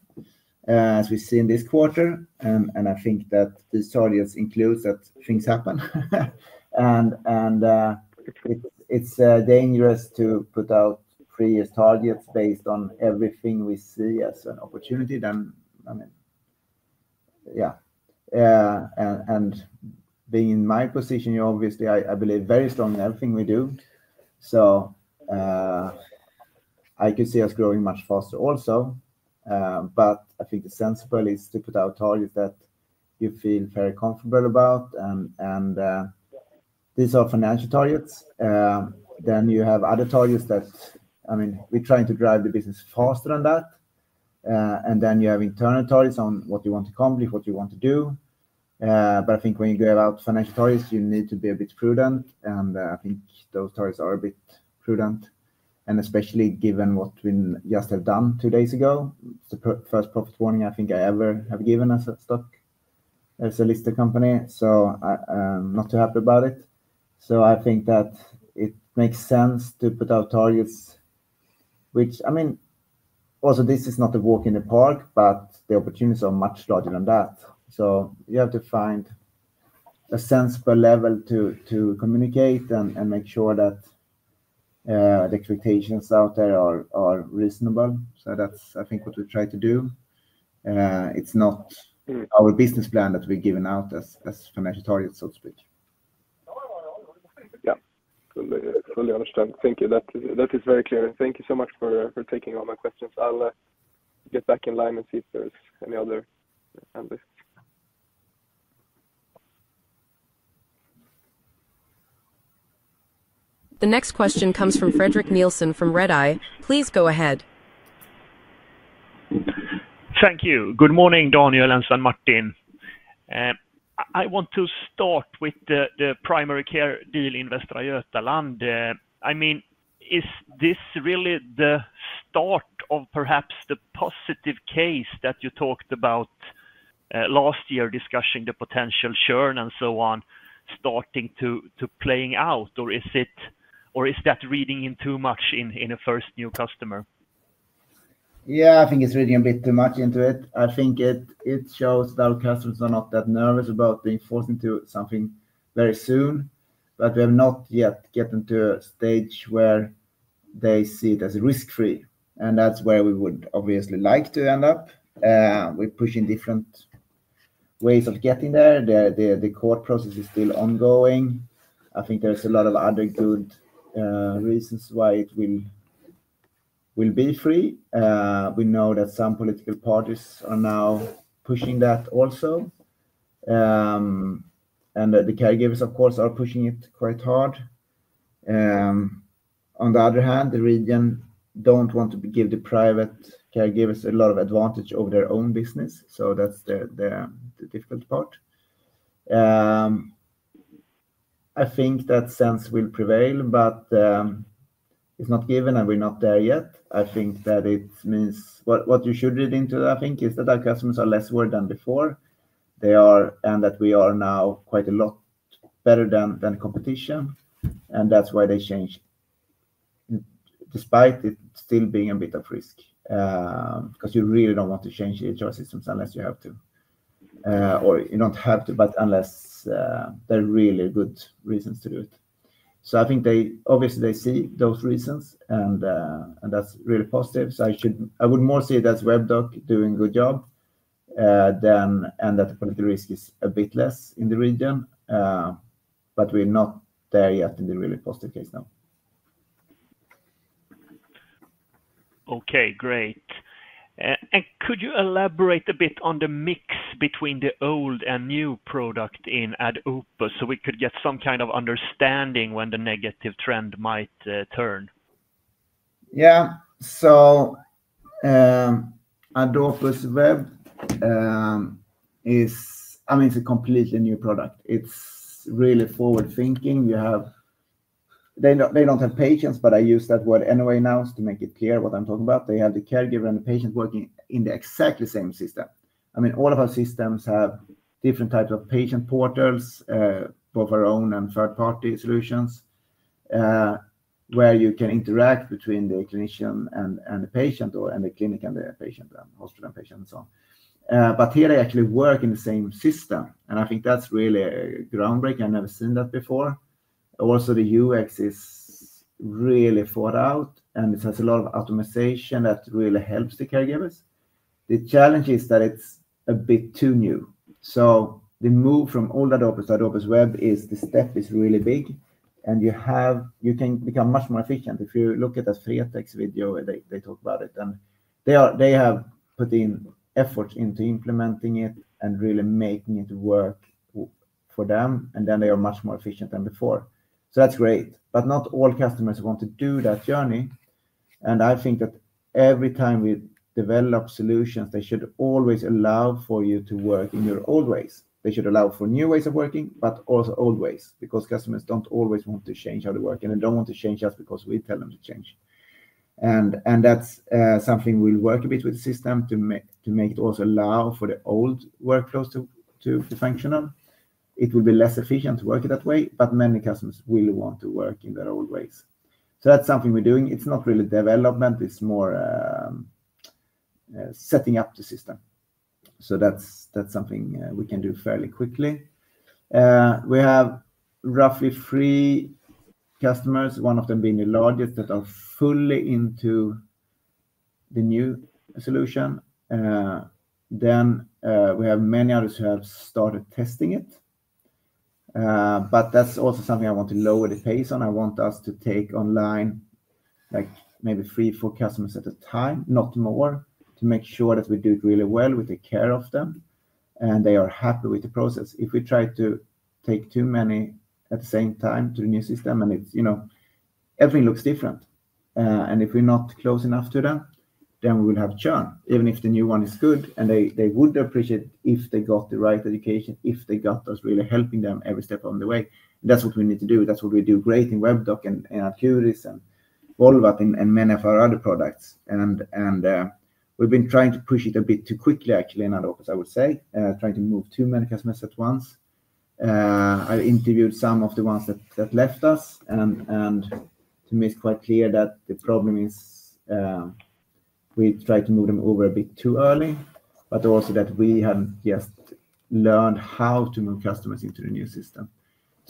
as we see in this quarter and I think that the serious includes that things happen and it's dangerous to put out three years targets based on everything we see as an opportunity then. Being in my position, obviously I believe very strong in everything we do. I could see us growing much faster also. I think the sensible is to put out targets that you feel very comfortable about and these are financial targets. Then you have other targets that we're trying to drive the business faster than that and then you have internal toys on what you want to accomplish, what you want to do. I think when you go about financial targets you need to be a bit prudent and I think those targets are a bit prudent and especially given what we just have done two days ago. It's the first profit warning I think I ever have given as a stock, as a listed company. I'm not too happy about it. I think that it makes sense to put out targets which, I mean, also this is not a walk in the park. The opportunities are much larger than that. You have to find a sense per level to communicate and make sure that the expectations out there are reasonable. That's what we try to do. It's not our business plan that we've given out as financial targets. Yeah, fully understand. Thank you. That is very clear. Thank you so much for taking all my questions. I'll get back in line and see if there's any other analysts. The next question comes from Frederik Neilsen from Redeye. Please go ahead. Thank you. Good morning, Daniel and Svein Martin. I want to start with the primary care deal in Västra Götaland. I mean, is this really the start of perhaps the positive case that you talked about last year, discussing the potential churn and so on starting to play out, or is that reading in too much in a first new customer? I think it's reading a bit too much into it. I think it shows that customers are not that nervous about being forced into something very soon. We have not yet gotten to a stage where they see it as risk free and that's where we would obviously like to end up. We're pushing different ways of getting there. The court process is still ongoing. I think there's a lot of other good reasons why it will be free. We know that some political parties are now pushing that also and the caregivers of course are pushing it quite hard. On the other hand, the region doesn't want to be guilty. Private caregivers a lot of advantage over their own business. That's the difficult part. I think that sense will prevail, but it's not given and we're not there yet. I think that it means what you should read into, I think, is that our customers are less worse than before. They are and that we are now quite a lot better than competition and that's why they changed despite it still being a bit of risk because you really don't want to change the HR systems unless you have to or you don't have to but unless there are really good reasons to do it. I think they obviously see those reasons and that's really positive. I would more see it as Webdoc doing a good job and that the risk is a bit less in the region but we're not there yet in the really positive case now. Okay, great. Could you elaborate a bit on the mix between the old and new product in Ad Opus so we could get some kind of understanding when the negative trend might turn? Yeah, so Ad Opus Web is, I mean it's a completely new product. It's really forward thinking. They don't have patients but I use that word anyway now to make it clear what I'm talking about. They have the caregiver and the patient working in the exact same system. I mean all of our systems have different types of patient portals, both our own and third-party solutions where you can interact between the clinician and the patient or the clinic and the patient and hospital and patient and so on. Here they actually work in the same system and I think that's really groundbreaking. I've never seen that before. Also, the UX is really thought out and it has a lot of optimization that really helps the caregivers. The challenge is that it's a bit too new. The move from all that over to Ad Opus Web is, the step is really big and you can become much more efficient. If you look at the [three Attacks video], they talk about it and they have put in effort into implementing it and really making it work for them and then they are much more efficient than before. That's great. Not all customers want to do that journey. I think that every time we develop solutions, they should always allow for you to work in your old ways. They should allow for new ways of working, but also old ways because customers don't always want to change how they work and they don't want to change just because we tell them to change. That's something we'll work a bit with the system to make it also allow for the old workflows to function. It will be less efficient to work it that way, but many customers will want to work in their old ways. That's something we're doing. It's not really development, it's more setting up the system. That's something we can do fairly quickly. We have roughly three customers, one of them being the largest, that are fully into the new solution. We have many others who have started testing it. That's also something I want to lower the pace on. I want us to take online like maybe three, four customers at a time, not more, to make sure that we do it really well, we take care of them and they are happy with the process. If we try to take too many at the same time to the new system and it's, you know, everything looks different and if we're not close enough to that, then we will have churn, even if the new one is good. They would appreciate if they got the right education, if they got us really helping them every step along the way. That's what we need to do. That's what we do great in Webdoc and Ad Curis and all that and many of our other products. We've been trying to push it a bit too quickly. Actually, in Ad Opus, I would say trying to move too many customers at once. I interviewed some of the ones that left us to make quite clear that the problem is we tried to move them over a bit too early, but also that we hadn't just learned how to move customers into the new system.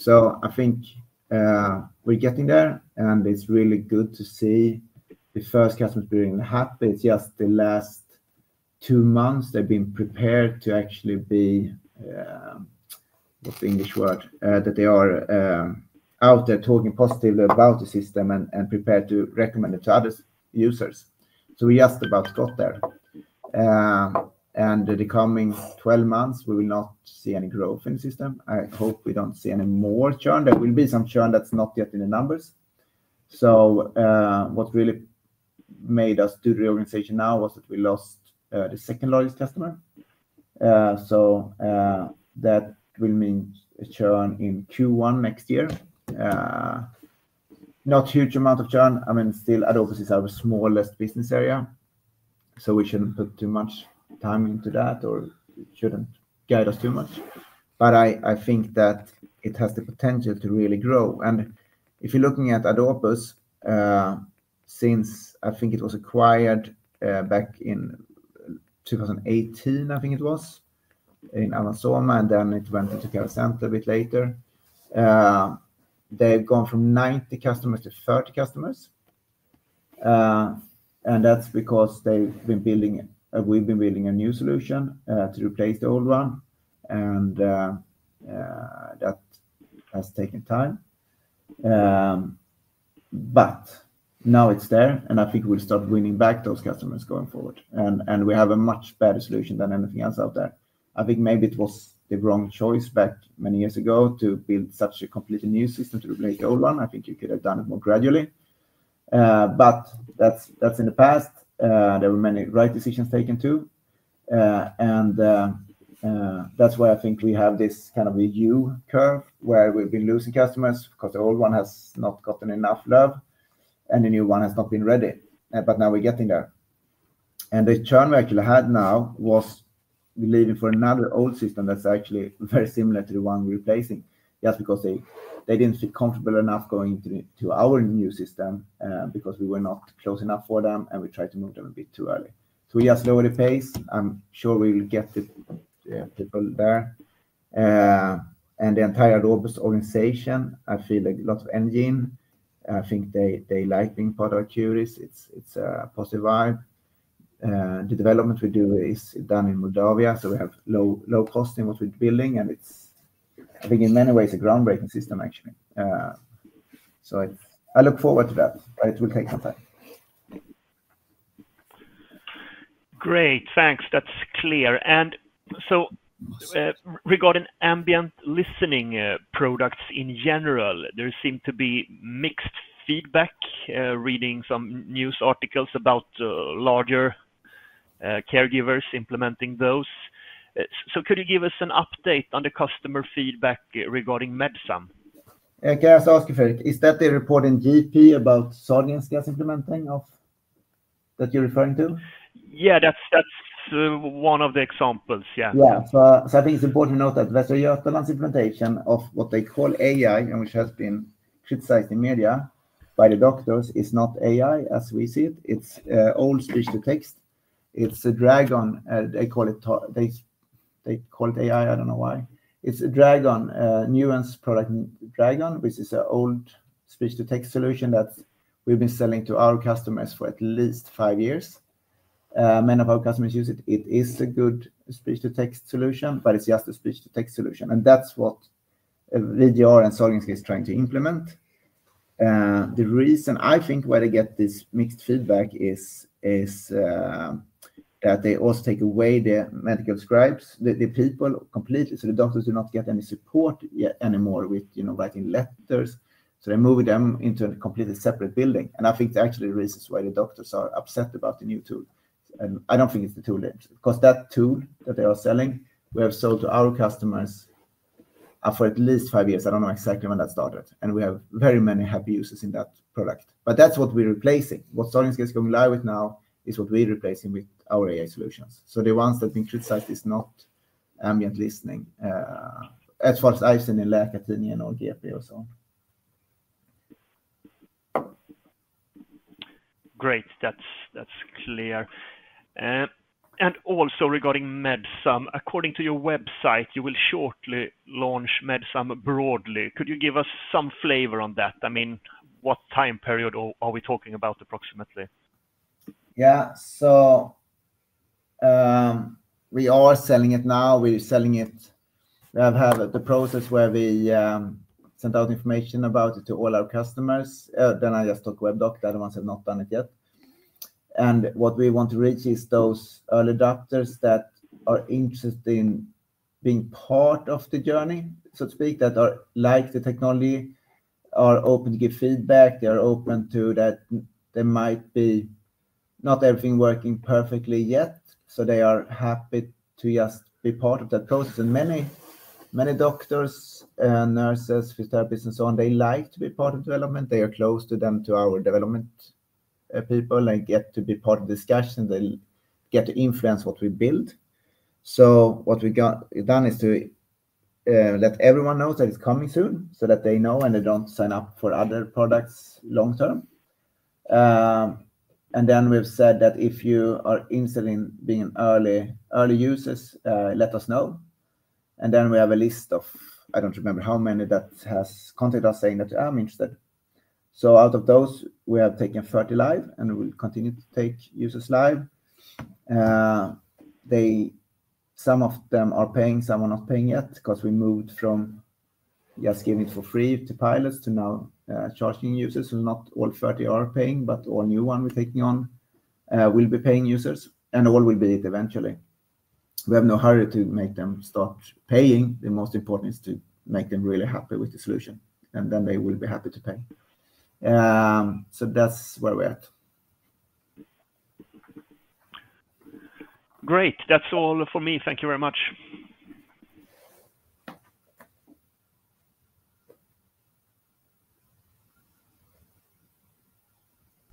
I think we're getting there and it's really good to see the first customer being happy. It's just the last two months they've been prepared to actually be what the English word that they are out there talking positively about the system and prepared to recommend it to other users. We just about got there and the coming 12 months we will not see any growth in the system. I hope we don't see any more churn. There will be some churn that's not yet in the numbers. What really made us do the organization now was that we lost the second largest customer. That will mean a churn in Q1 next year. Not a huge amount of churn. I mean, still, Ad Opus is our smallest business area, so we shouldn't put too much time into that or shouldn't guide us too much. I think that it has the potential to really grow. If you're looking at Ad Opus, since I think it was acquired back in 2018, I think it was in Amazon and then it went into Carasent a bit later. They've gone from 90 customers to 30 customers. That's because they've been building. We've been building a new solution to replace the old one and that has taken time, but now it's there and I think we'll start winning back those customers going forward and we have a much better solution than anything else out there. I think maybe it was the wrong choice back many years ago to build such a completely new system to replace the old one. I think you could have done it more gradually, but that's in the past. There were many right decisions taken too. That's why I think we have this kind of review curve where we've been losing customers because the old one has not gotten enough love and the new one has not been ready. Now we're getting there and the churn we actually had now was leaving for another old system that's actually very similar to the one we're replacing. Just because they didn't feel comfortable enough going to our new system because we were not close enough for them, and we tried to move them a bit too early. We are slowing the pace. I'm sure we'll get people there and the entire robust organization. I feel like lots of engine. I think they like being product curious. It's a positive vibe. The development we do is done in Moldavia, so we have low, low cost in what we're building, and it's, I think in many ways, a groundbreaking system actually. I look forward to that. It will take some time. Great, thanks. That's clear. Regarding ambient listening products in general, there seem to be mixed feedback. Reading some news articles about larger caregivers implementing those, could you give us an update on the customer feedback regarding Medsum? Can I ask you, Frederick, is that the report in GP about Sardinians just implementing that you're referring to? Yeah, that's one of the examples. Yeah, yeah. I think it's important to note that your pronounced implementation of what they call AI and which has been criticized in media by the doctors is not AI as we see it. It's old speech to text. It's Dragon, they call it. They call it AI. I don't know why. It's a Dragon Nuance product, Dragon, which is an old speech to text solution that we've been selling to our customers for at least five years. Many of our customers use it. It is a good speech to text solution, but it's just a speech to text solution, and that's what VGR and Solinsky is trying to implement. The reason I think why they get this mixed feedback is that they also take away their medical scribes, the people, completely, so the doctors do not get any support anymore with, you know, writing letters. They move them into a completely separate building. I think that actually reasons why the doctors are upset about the new tool. I don't think it's the tool because that tool that they are selling we have sold to our customers for at least five years. I don't know exactly when that started. We have very many happy users in that. Correct. That's what we're replacing. What [sorting scale] is going live with now is what we're replacing with our AI solutions. The ones that have been criticized is not ambient AI-listening, as far as I've seen in [Västra Götalandsregionen or VGR]. Great, that's clear. Also, regarding Medsum, according to your website, you will shortly launch Medsum broadly. Could you give us some flavor on that? I mean, what time period are we talking about? Approximately, yeah. We are selling it now. We're selling it. I've had the process where we send out information about it to all our customers. Then I just took Webdoc. The other ones have not done it yet. What we want to reach is those early doctors that are interested in being part of the journey, so to speak, that like the technology, are open to give feedback, they're open to that. There might be not everything working perfectly yet. They are happy to just be part of that process and many, many doctors, nurses, physiotherapists and so on. They like to be part of development. They are close to them, to our development people and get to be part of discussion. They get to influence what we build. What we got done is to let everyone know that it's coming soon so that they know and they don't sign up for other products long term. We've said that if you are interested in being early, early users, let us know. We have a list of I don't remember how many that has contacted us saying that I'm interested. Out of those we have taken 30 live and we'll continue to take users live. Some of them are paying, some are not paying yet because we moved from just giving it for free to pilots to now charging users. Not all 30 are paying, but all new ones we're taking on will be paying users and all will be it eventually. We have no hurry to make them start paying. The most important is to make them really happy with the solution and then they will be happy to pay. That's where we're at. Great. That's all for me. Thank you very much.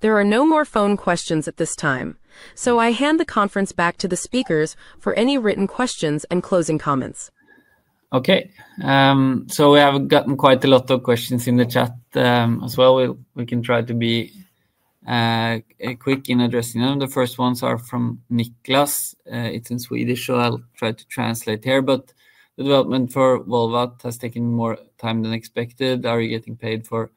There are no more phone questions at this time, so I hand the conference back to the speakers for any written questions and closing comments. Okay, we have gotten quite a lot of questions in the chat as well. We can try to be quick in addressing them. The first ones are from [Niklas]. It's in Swedish, so I'll try to translate here. Development for Volvat has taken more time than expected. Are you getting paid for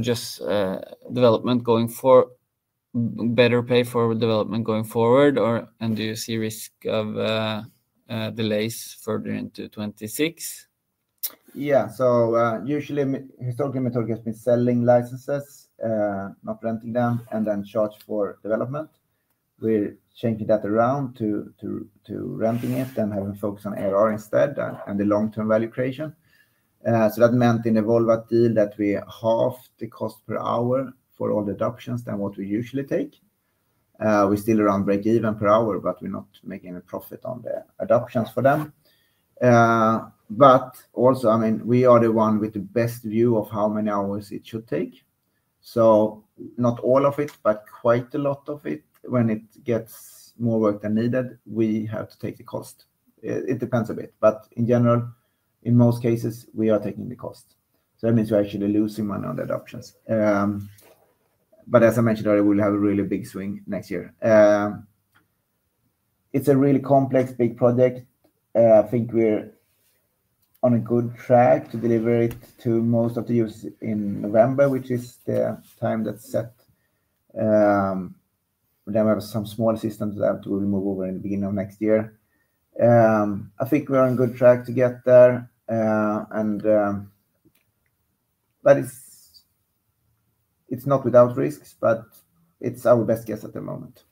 just development, going for better pay for development going forward, or do you see risk of delays further into 2026? Yeah. Usually, historically, Metodika has been selling licenses, not renting them, and then charging for development. We're changing that around to renting it and having focus on ARR instead and the long-term value creation. That meant in Volvat that we halved the cost per hour for all deductions than what we usually take. We still run break even per hour, but we're not making a profit on the adoptions for them. Also, I mean we are the one with the best view of how many hours it should take. Not all of it, but quite a lot of it. When it gets more work than needed, we have to take the cost. It depends a bit, but in general, in most cases, we are taking the cost. That means we're actually losing money on the adoptions. As I mentioned earlier, we'll have a really big swing next year. It's a really complex, big project. I think we're on a good track to deliver it to most of the users in November, which is the time that's set. There are some small systems that will move over in the beginning of next year. I think we're on good track to get there. It's not without risks, but it's our best guess at the moment.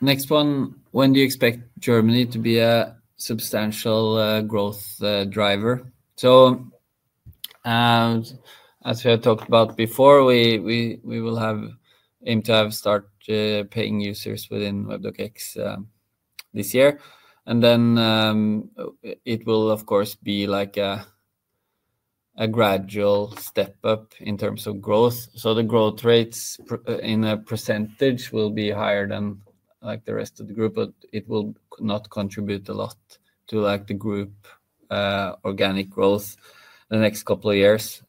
Next one. When do you expect Germany to be a substantial growth driver? As we had talked about before, we will aim to have start paying users within Webdoc X this year and then it will of course be a gradual step up in terms of growth. The growth rates in percentage will be higher than the rest of the group. It will not contribute a lot to the group organic growth the next couple of years.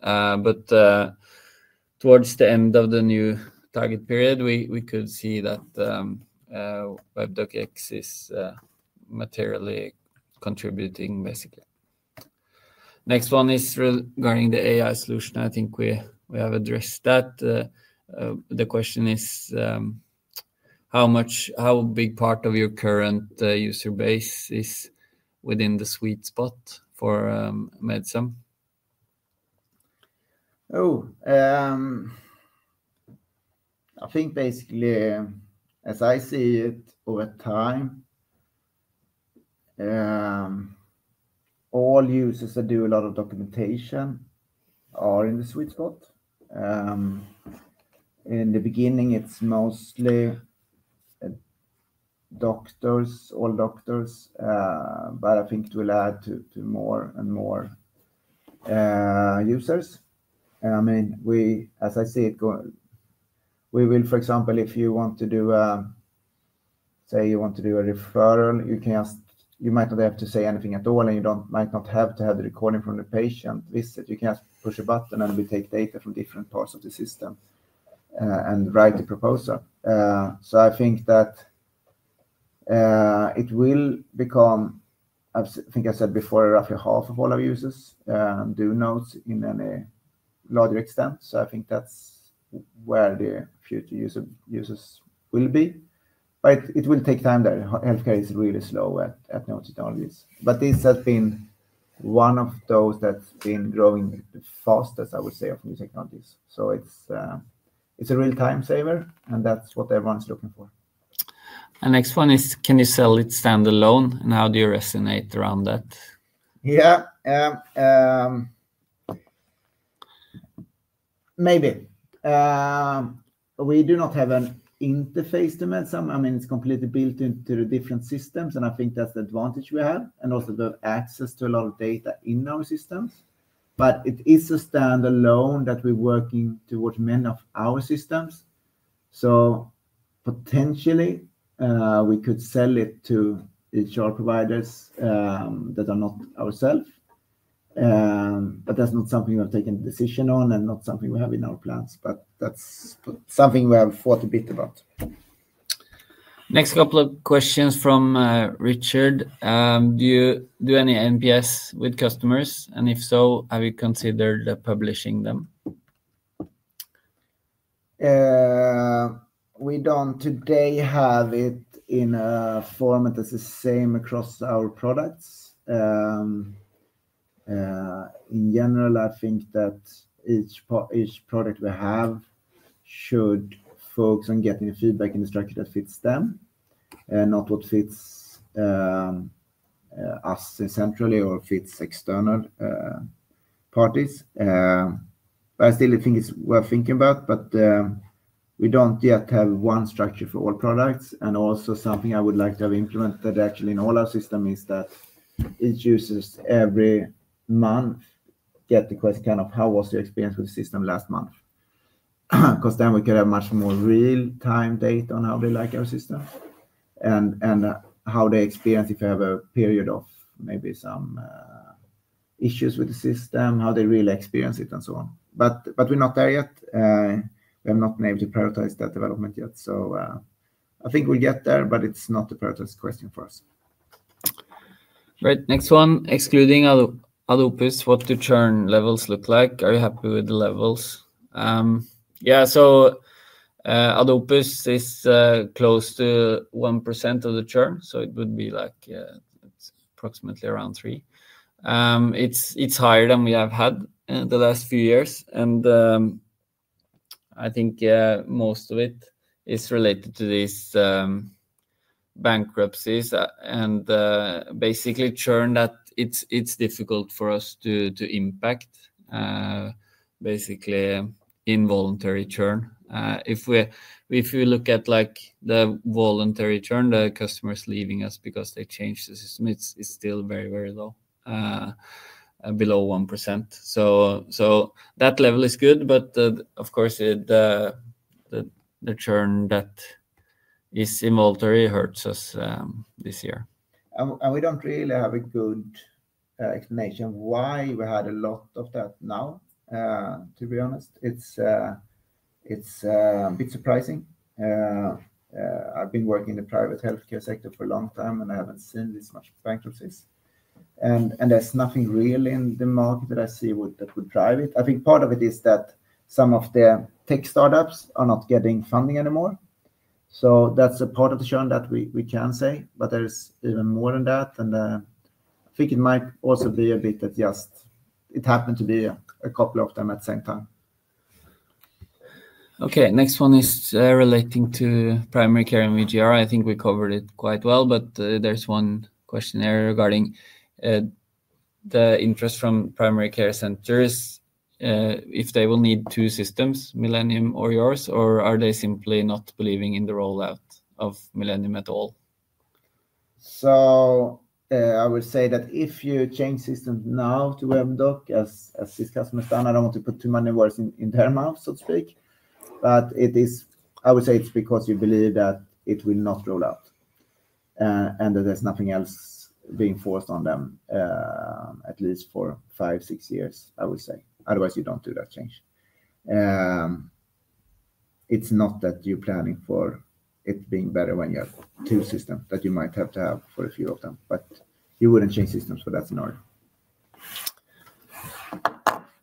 Towards the end of the new target period we could see that Webdoc is materially contributing basically. Next one is regarding the AI solution. I think we have addressed that. The question is how big part of your current user base is within the sweet spot for Medsum? I think basically as I see it over time all users that do a lot of documentation are in the sweet spot. In the beginning it's mostly doctors, all doctors. I think it will add to. More and more. Users and I mean we, as I see it, we will. For example, if you want to do, say you want to do a referral, you can just, you might not have to say anything at all and you don't. You might not have to have the recording from the patient visit. You can push a button and we'll take data from different parts of the system and write the proposal. I think that it will become, I think I said before, roughly half of all our users do notes in any larger extent. I think that's where the future users will be. It will take time. Healthcare is really slow at note technologies, but this has been one of those that's been growing the fastest I would say of new technologies. It's a real time saver and that's what everyone's looking for. One, and next one is can you sell it standalone, and how do you resonate around that? Yeah, maybe we do not have an interface to melt some. I mean it's completely built into different systems, and I think that's the advantage we have and also the access to a lot of data in our systems. It is a standalone that we're working to of our systems, so potentially we could sell it to HR providers that are not ourselves. That's not something we're taking decision on and not something we have in our plans. That's something we have thought a bit about. Next couple of questions from Richard. Do you do any NPS with customers, and if so, have you considered publishing them? We don't today have it in a format that's the same across our products. In general, I think that each product we have should focus on getting a feedback structure that fits them and not what fits us centrally or if it's external parties. I still think it's worth thinking about. We don't yet have one structure for all products. Also, something I would like to have implemented actually in all our system is that it uses every month. Get the question of how was your experience with the system last month? Because then we get a much more real-time data on how they like our systems and how they experience, if you have a period of time, maybe some issues with the system, how they really experience it and so on. We're not there yet. We have not been able to prioritize that development yet. I think we get there, but it's not a prioritized question for us. Right, next one. Excluding Ad Opus, what do the churn levels look like? Are you happy with the levels? Yeah, so close to 1% of the churn, so it would be like approximately around 3%. It's higher than we have had the last few years, and I think most of it is related to these bankruptcies and basically churn that it's difficult for us to impact, basically involuntary churn. If we look at the voluntary churn, the customers leaving us because they changed the system is still very, very low, below 1%, so that level is good. Of course, the churn that is similarly hurts us this year and we. We don't really have a good explanation why we had a lot of that. To be honest, it's a bit surprising. I've been working in the private healthcare sector for a long time and I haven't seen this much bankruptcies, and there's nothing real in the market that I see that would drive it. I think part of it is that some of the tech startups are not getting funding anymore. That's a part of the shift that we can say. There's even more than that, and I think it might also be a bit adjusted. It happened to be a couple of them at the same time. Okay, next one is relating to primary care and VGR. I think we covered it quite well, but there's one question regarding the interest from primary care centers if they will need two systems, Millennium or yours, or are they simply not believing in the rollout of Millennium at all? I would say that if you change systems now to Webdoc as this customer's done, I don't want to put too many words in their mouth, so to speak, but I would say it's because we believe that it will not roll out and that there's nothing else being forced on them at least for five, six years. I would say otherwise you don't do that change. It's not that you're planning for it being better when you have two systems that you might have to have for a few of them, but you wouldn't change systems for that scenario.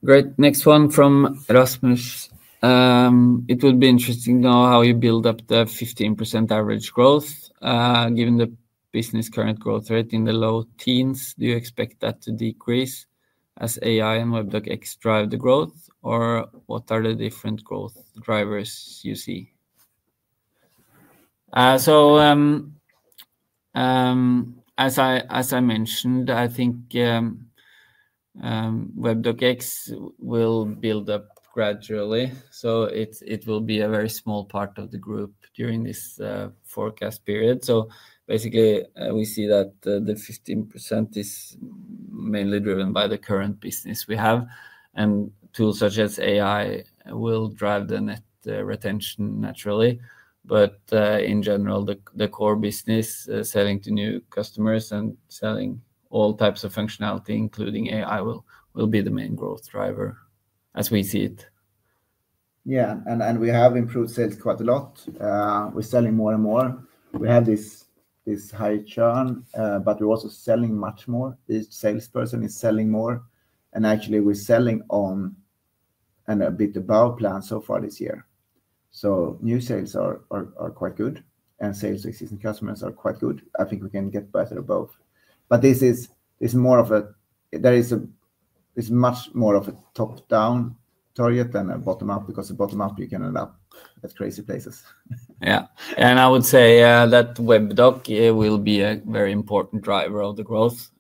Great. Next one from [Erasmus]. It would be interesting now how you build up the 15% average growth. Given the business current growth rate in the low teens, do you expect that to decrease as AI and Webdoc X drive the growth or what are the different growth drivers you see? As I mentioned, I think Webdoc will build up gradually. It will be a very small part of the group during this forecast period. Basically, we see that the 15% is mainly driven by the current business we have and tools such as AI will drive the net retention naturally. In general, the core business, selling to new customers and selling all types of functionality including AI, will be the main growth driver as we see it. Yeah, we have improved sales quite a lot. We're selling more and more. We have this high churn, but we're also selling much more. This salesperson is selling more and actually we're selling on and a bit about plan so far this year. New sales are quite good and sales to existing customers are quite good. I think we can get better at both. This is more of a, it's much more of a top down target than a bottom up because the bottom up can end up at crazy places. Yeah, I would say that Webdoc will be a very important driver of the growth,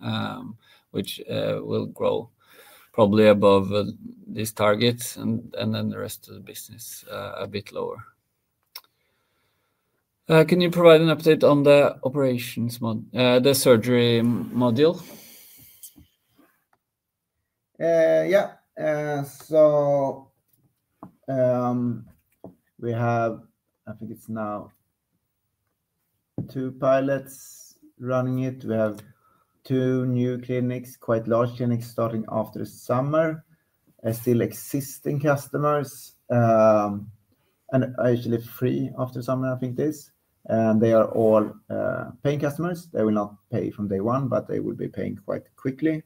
which will grow probably above these targets, and then the rest of the business a bit lower. Can you provide an update on the operations, the surgery module? Yeah. We have, I think it's now two pilots running it. We have two new clinics, quite large clinics, starting after summer, still existing customers, and actually three after summer. They are all paying customers. They will not pay from day one, but they will be paying quite quickly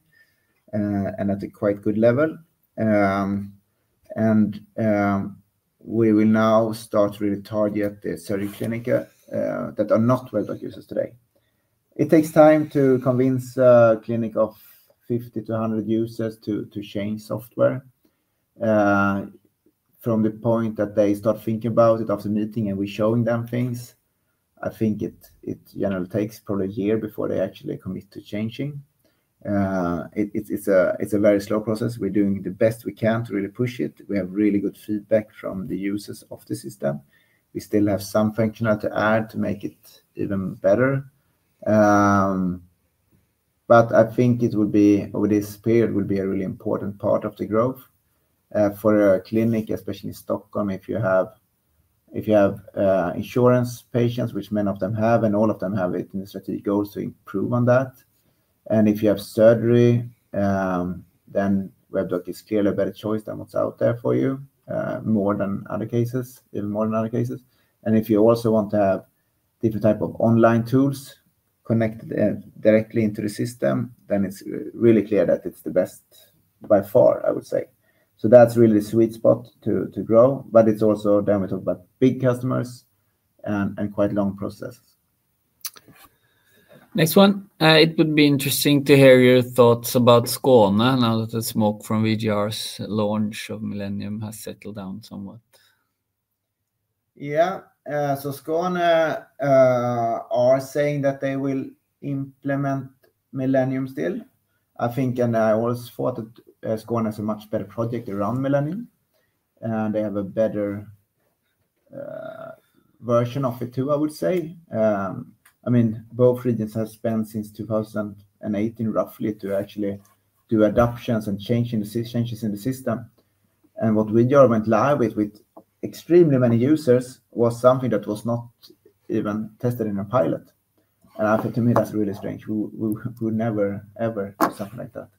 and at a quite good level. We will now start to really target the surgery clinic that are not Webdoc users. Today it takes time to convince a clinic of 50-100 users to change software. From the point that they start thinking about it after meeting and we're showing them things, I think it generally takes probably a year before they actually commit to changing. It's a very slow process. We're doing the best we can to really push it. We have really good feedback from the users of the system. We still have some functionality to make it even better. I think this period will be a really important part of the growth for a clinic, especially Stockholm. If you have insurance patients, which many of them have, and all of them have it in, the strategy goes to improve on that. If you have surgery, then Webdoc is clearly a better choice than what's out there for you, even more than other cases. If you also want to have different types of online tools connected directly into the system, then it's really clear that it's the best by far, I would say. That's really the sweet spot to grow. It's also when we talk about big customers and quite long processes. Next one. It would be interesting to hear your thoughts about Skane now that the smoke from VGR's launch of Millennium has settled down somewhat. Yeah. Skane are saying that they will implement Millennium still, I think. I always thought that Skåne is a much better project around Millennium and they have a better version of it too, I would say. I mean, both regions have spent since 2018 roughly to actually do adoptions and changes in the system. What VGR went live with, extremely many users, was something that was not even tested in a pilot. To me, that's really strange. We could never ever do something like that.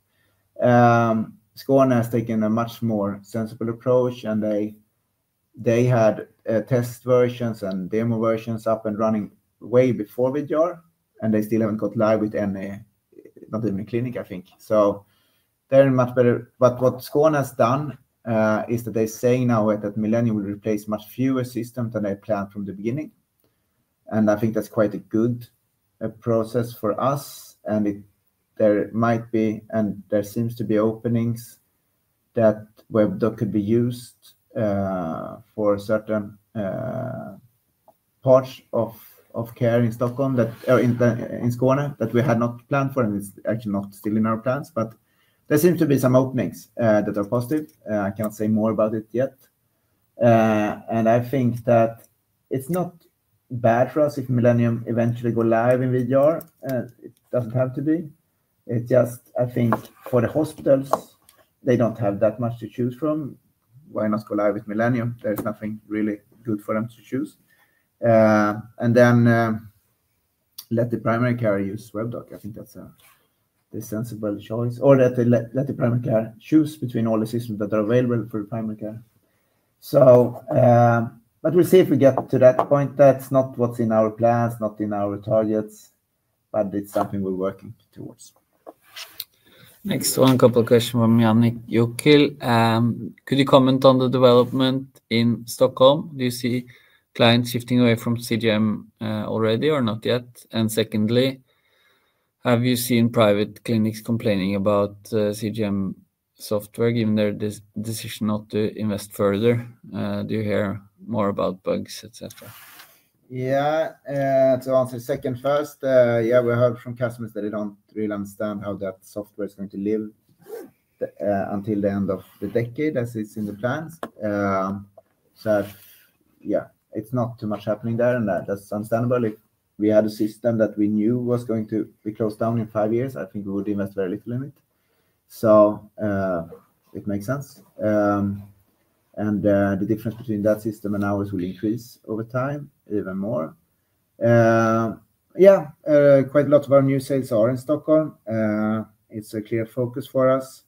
Skåne has taken a much more sensible approach and they had test versions and demo versions up and running way before VGR, and they still haven't complied with any in the clinic, I think, so very much better. What Skåne has done is that they say now that Millennium will replace much fewer systems than they planned from the beginning. I think that's quite a good process for us. There might be, and there seems to be, openings that Webdoc could be used for certain parts of care in Stockholm that in Skane that we had not planned for. It's actually not still in our plans, but there seems to be some openings that are positive. I can't say more about it yet. I think that it's not bad for us if Millennium eventually goes live in VGR and it doesn't have to be. For the hospitals, they don't have that much to choose from. Why not go live with Millennium? There's nothing really, really good for them to choose. Let the primary care use Webdoc. I think that's a sensible choice, or let the primary care choose between all the systems that are available for primary care. We'll see if we get to that point. That's not what's in our plans, not in our targets, but it's something we're working towards. Next one, a couple of questions from [me and Nick. You, Daniel Öhman], could you comment on the development in Stockholm? Do you see clients shifting away from CGM already or not yet? Secondly, have you seen private clinics complaining about CGM software given their decision not to invest further? Do you hear more about bugs, etc. To answer second, first, we heard from customers that they don't really understand how that software is going to live until the end of the decade as it's in the dance. It's not too much happening there and that's understandable. If we had a system that we knew was going to be closed down in five years, I think we would invest very little in it. It makes sense. The difference between that system and ours will increase over time even more. Quite a lot of our new sales are in Stockholm. It's a clear focus for us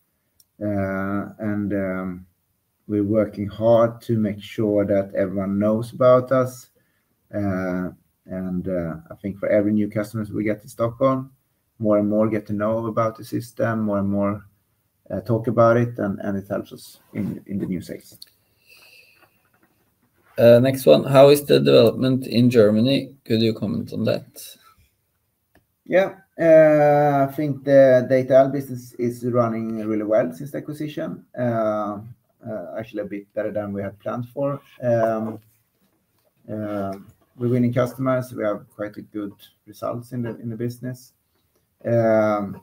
and we're working hard to make sure that everyone knows about us. I think for every new customer we get to Stockholm, more and more get to know about the system, more and more talk about it and it helps us in the new segments. Next one, how is the development in Germany? Could you comment on that? Yeah, I think the data business is running really well since the acquisition. Actually, a bit better than we had planned for. We're winning customers. We have quite good results in the business. We have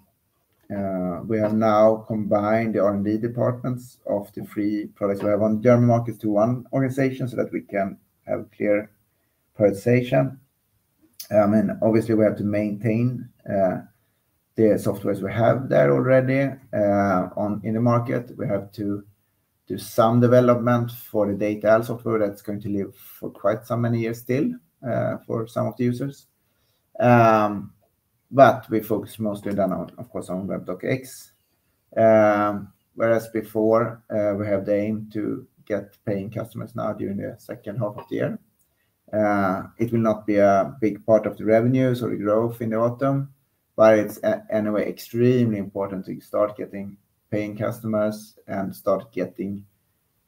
now combined the R&D departments of the three products we have on German markets to one organization so that we can healthcare presentation, and obviously we have to maintain the softwares we have there already in the market. We have to do some development for the data software that's going to live for quite some many years still for some of the users. We focus mostly, of course, on Webdoc X. Whereas before, we have the aim to get paying customers now during the second half of the year. It will not be a big part of the revenues or growth in the autumn. It's anyway extremely important to start getting paying customers and start getting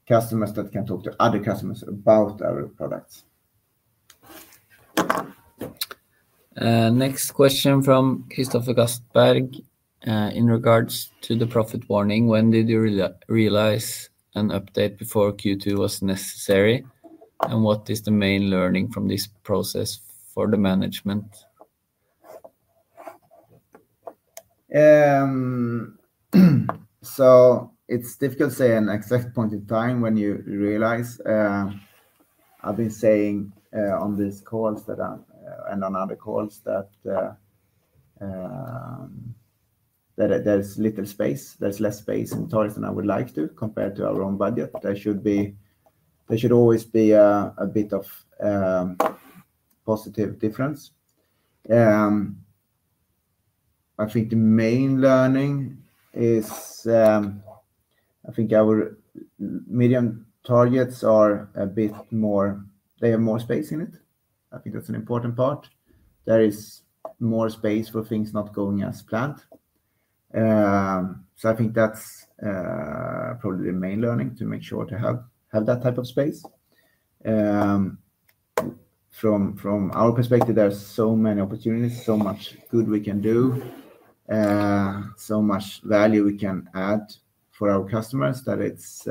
customers that can talk to other customers about our products. Next question from [Christopher Gastberg]. In regards to the profit warning, when did you realize an update before Q2 was necessary, and what is the main learning from this process for the management? It's difficult to say an exact point in time when you realize I've been saying on this call and on other calls that there's little space. There's less space in toys than I would like to compared to our own budget. There should be. There should always be a bit of positive difference. I think the main learning is our medium targets are a bit more. They have more space in it. I think that's an important part. There is more space for things not going as planned. I think that's probably the main learning to make sure to have that type of space. From our perspective, there are so many opportunities, so much good we can do, so much value we can add for our customers that it's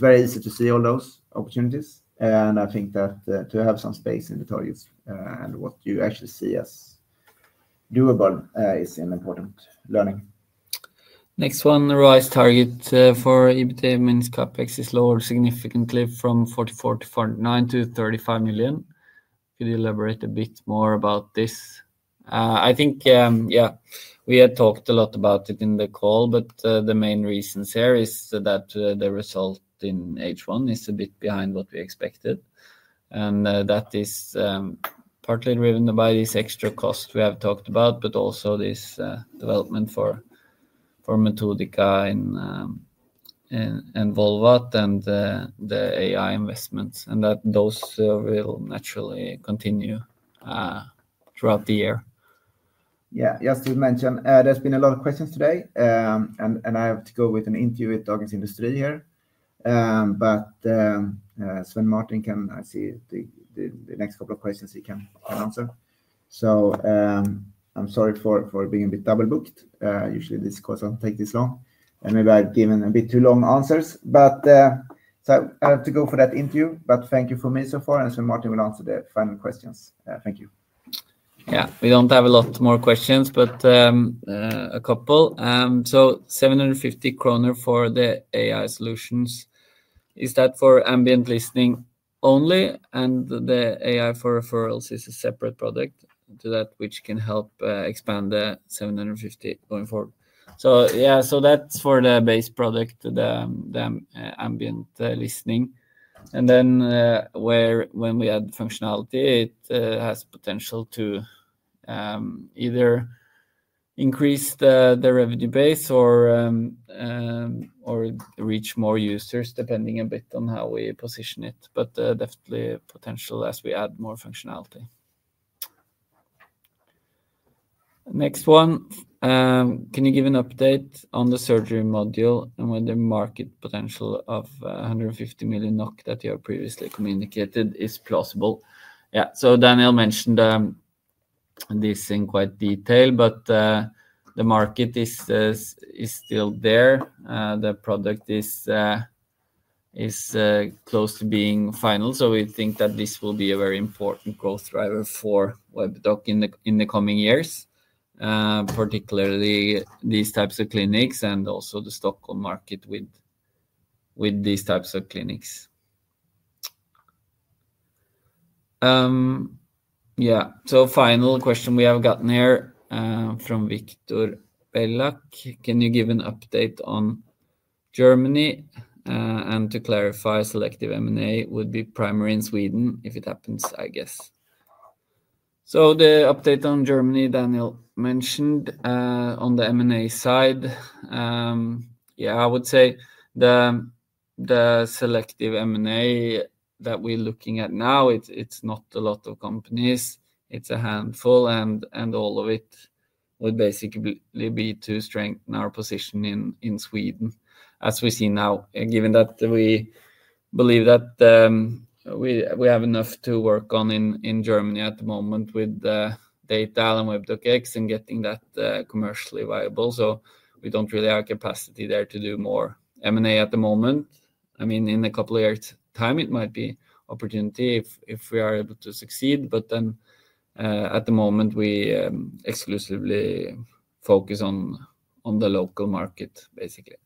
very easy to see all those opportunities. I think that to have some space in the targets and what you actually see as doable is an important learning. Next, one rise target for EBITDA means CapEx is lower significantly from 44 million-49 million to $35 million. Could you elaborate a bit more about this? I think, yeah, we had talked a lot about it in the call, but the main reasons here is that the result in H1 is a bit behind what we expected, and that is partly driven by this extra cost we have talked about, but also this development for Metodika and Volvat and the AI investments, and that those will naturally continue throughout the year. Yeah, just to mention there's been a lot of questions today and I have to go with an [Intuit Dockers industry] here, but Svein Martin can I see the next couple of questions he can answer? I'm sorry for being a bit double-booked. Usually this course doesn't take this long and maybe I've given a bit too long answers. I have to go for that interview. Thank you for me so far. Martin will answer the final questions. Thank you. Yeah, we don't have a lot more questions, but a couple. So 750 kronor for the AI solutions, is that for ambient AI-listening only? The AI for referrals is a separate product to that, which can help expand the 750 going forward. That's for the base product, the ambient AI-listening, and then when we add functionality, it has potential to either increase the revenue base or reach more users, depending a bit on how we position it. Definitely potential as we add more functionality. Next one, can you give an update on the surgery module and when the market potential of SEK 150 million that you have previously communicated is plausible? Daniel mentioned this in quite detail, but the market is still there, the product is close to being final. We think that this will be a very important growth driver for Webdoc in the coming years, particularly these types of clinics and also the Stockholm market with these types of clinics. Final question we have gotten here from [Victor Bellak]. Can you give an update on Germany, and to clarify, selective M&A would be primary in Sweden if it happens? The update on Germany, Daniel mentioned on the M&A side. I would say the selective M&A that we're looking at now, it's not a lot of companies, it's a handful. All of it would basically be to strengthen our position in Sweden as we see now, given that we believe that we have enough to work on in Germany at the moment with data and web and getting that commercially viable. We don't really have capacity there to do more M&A at the moment. In a couple years' time, it might be an opportunity if we are able to succeed. At the moment, we exclusively focus on the local market, basically.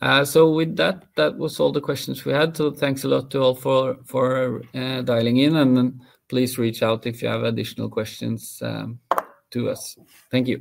With that, that was all the questions we had. Thanks a lot to all for dialing in, and please reach out if you have additional questions to us. Thank you.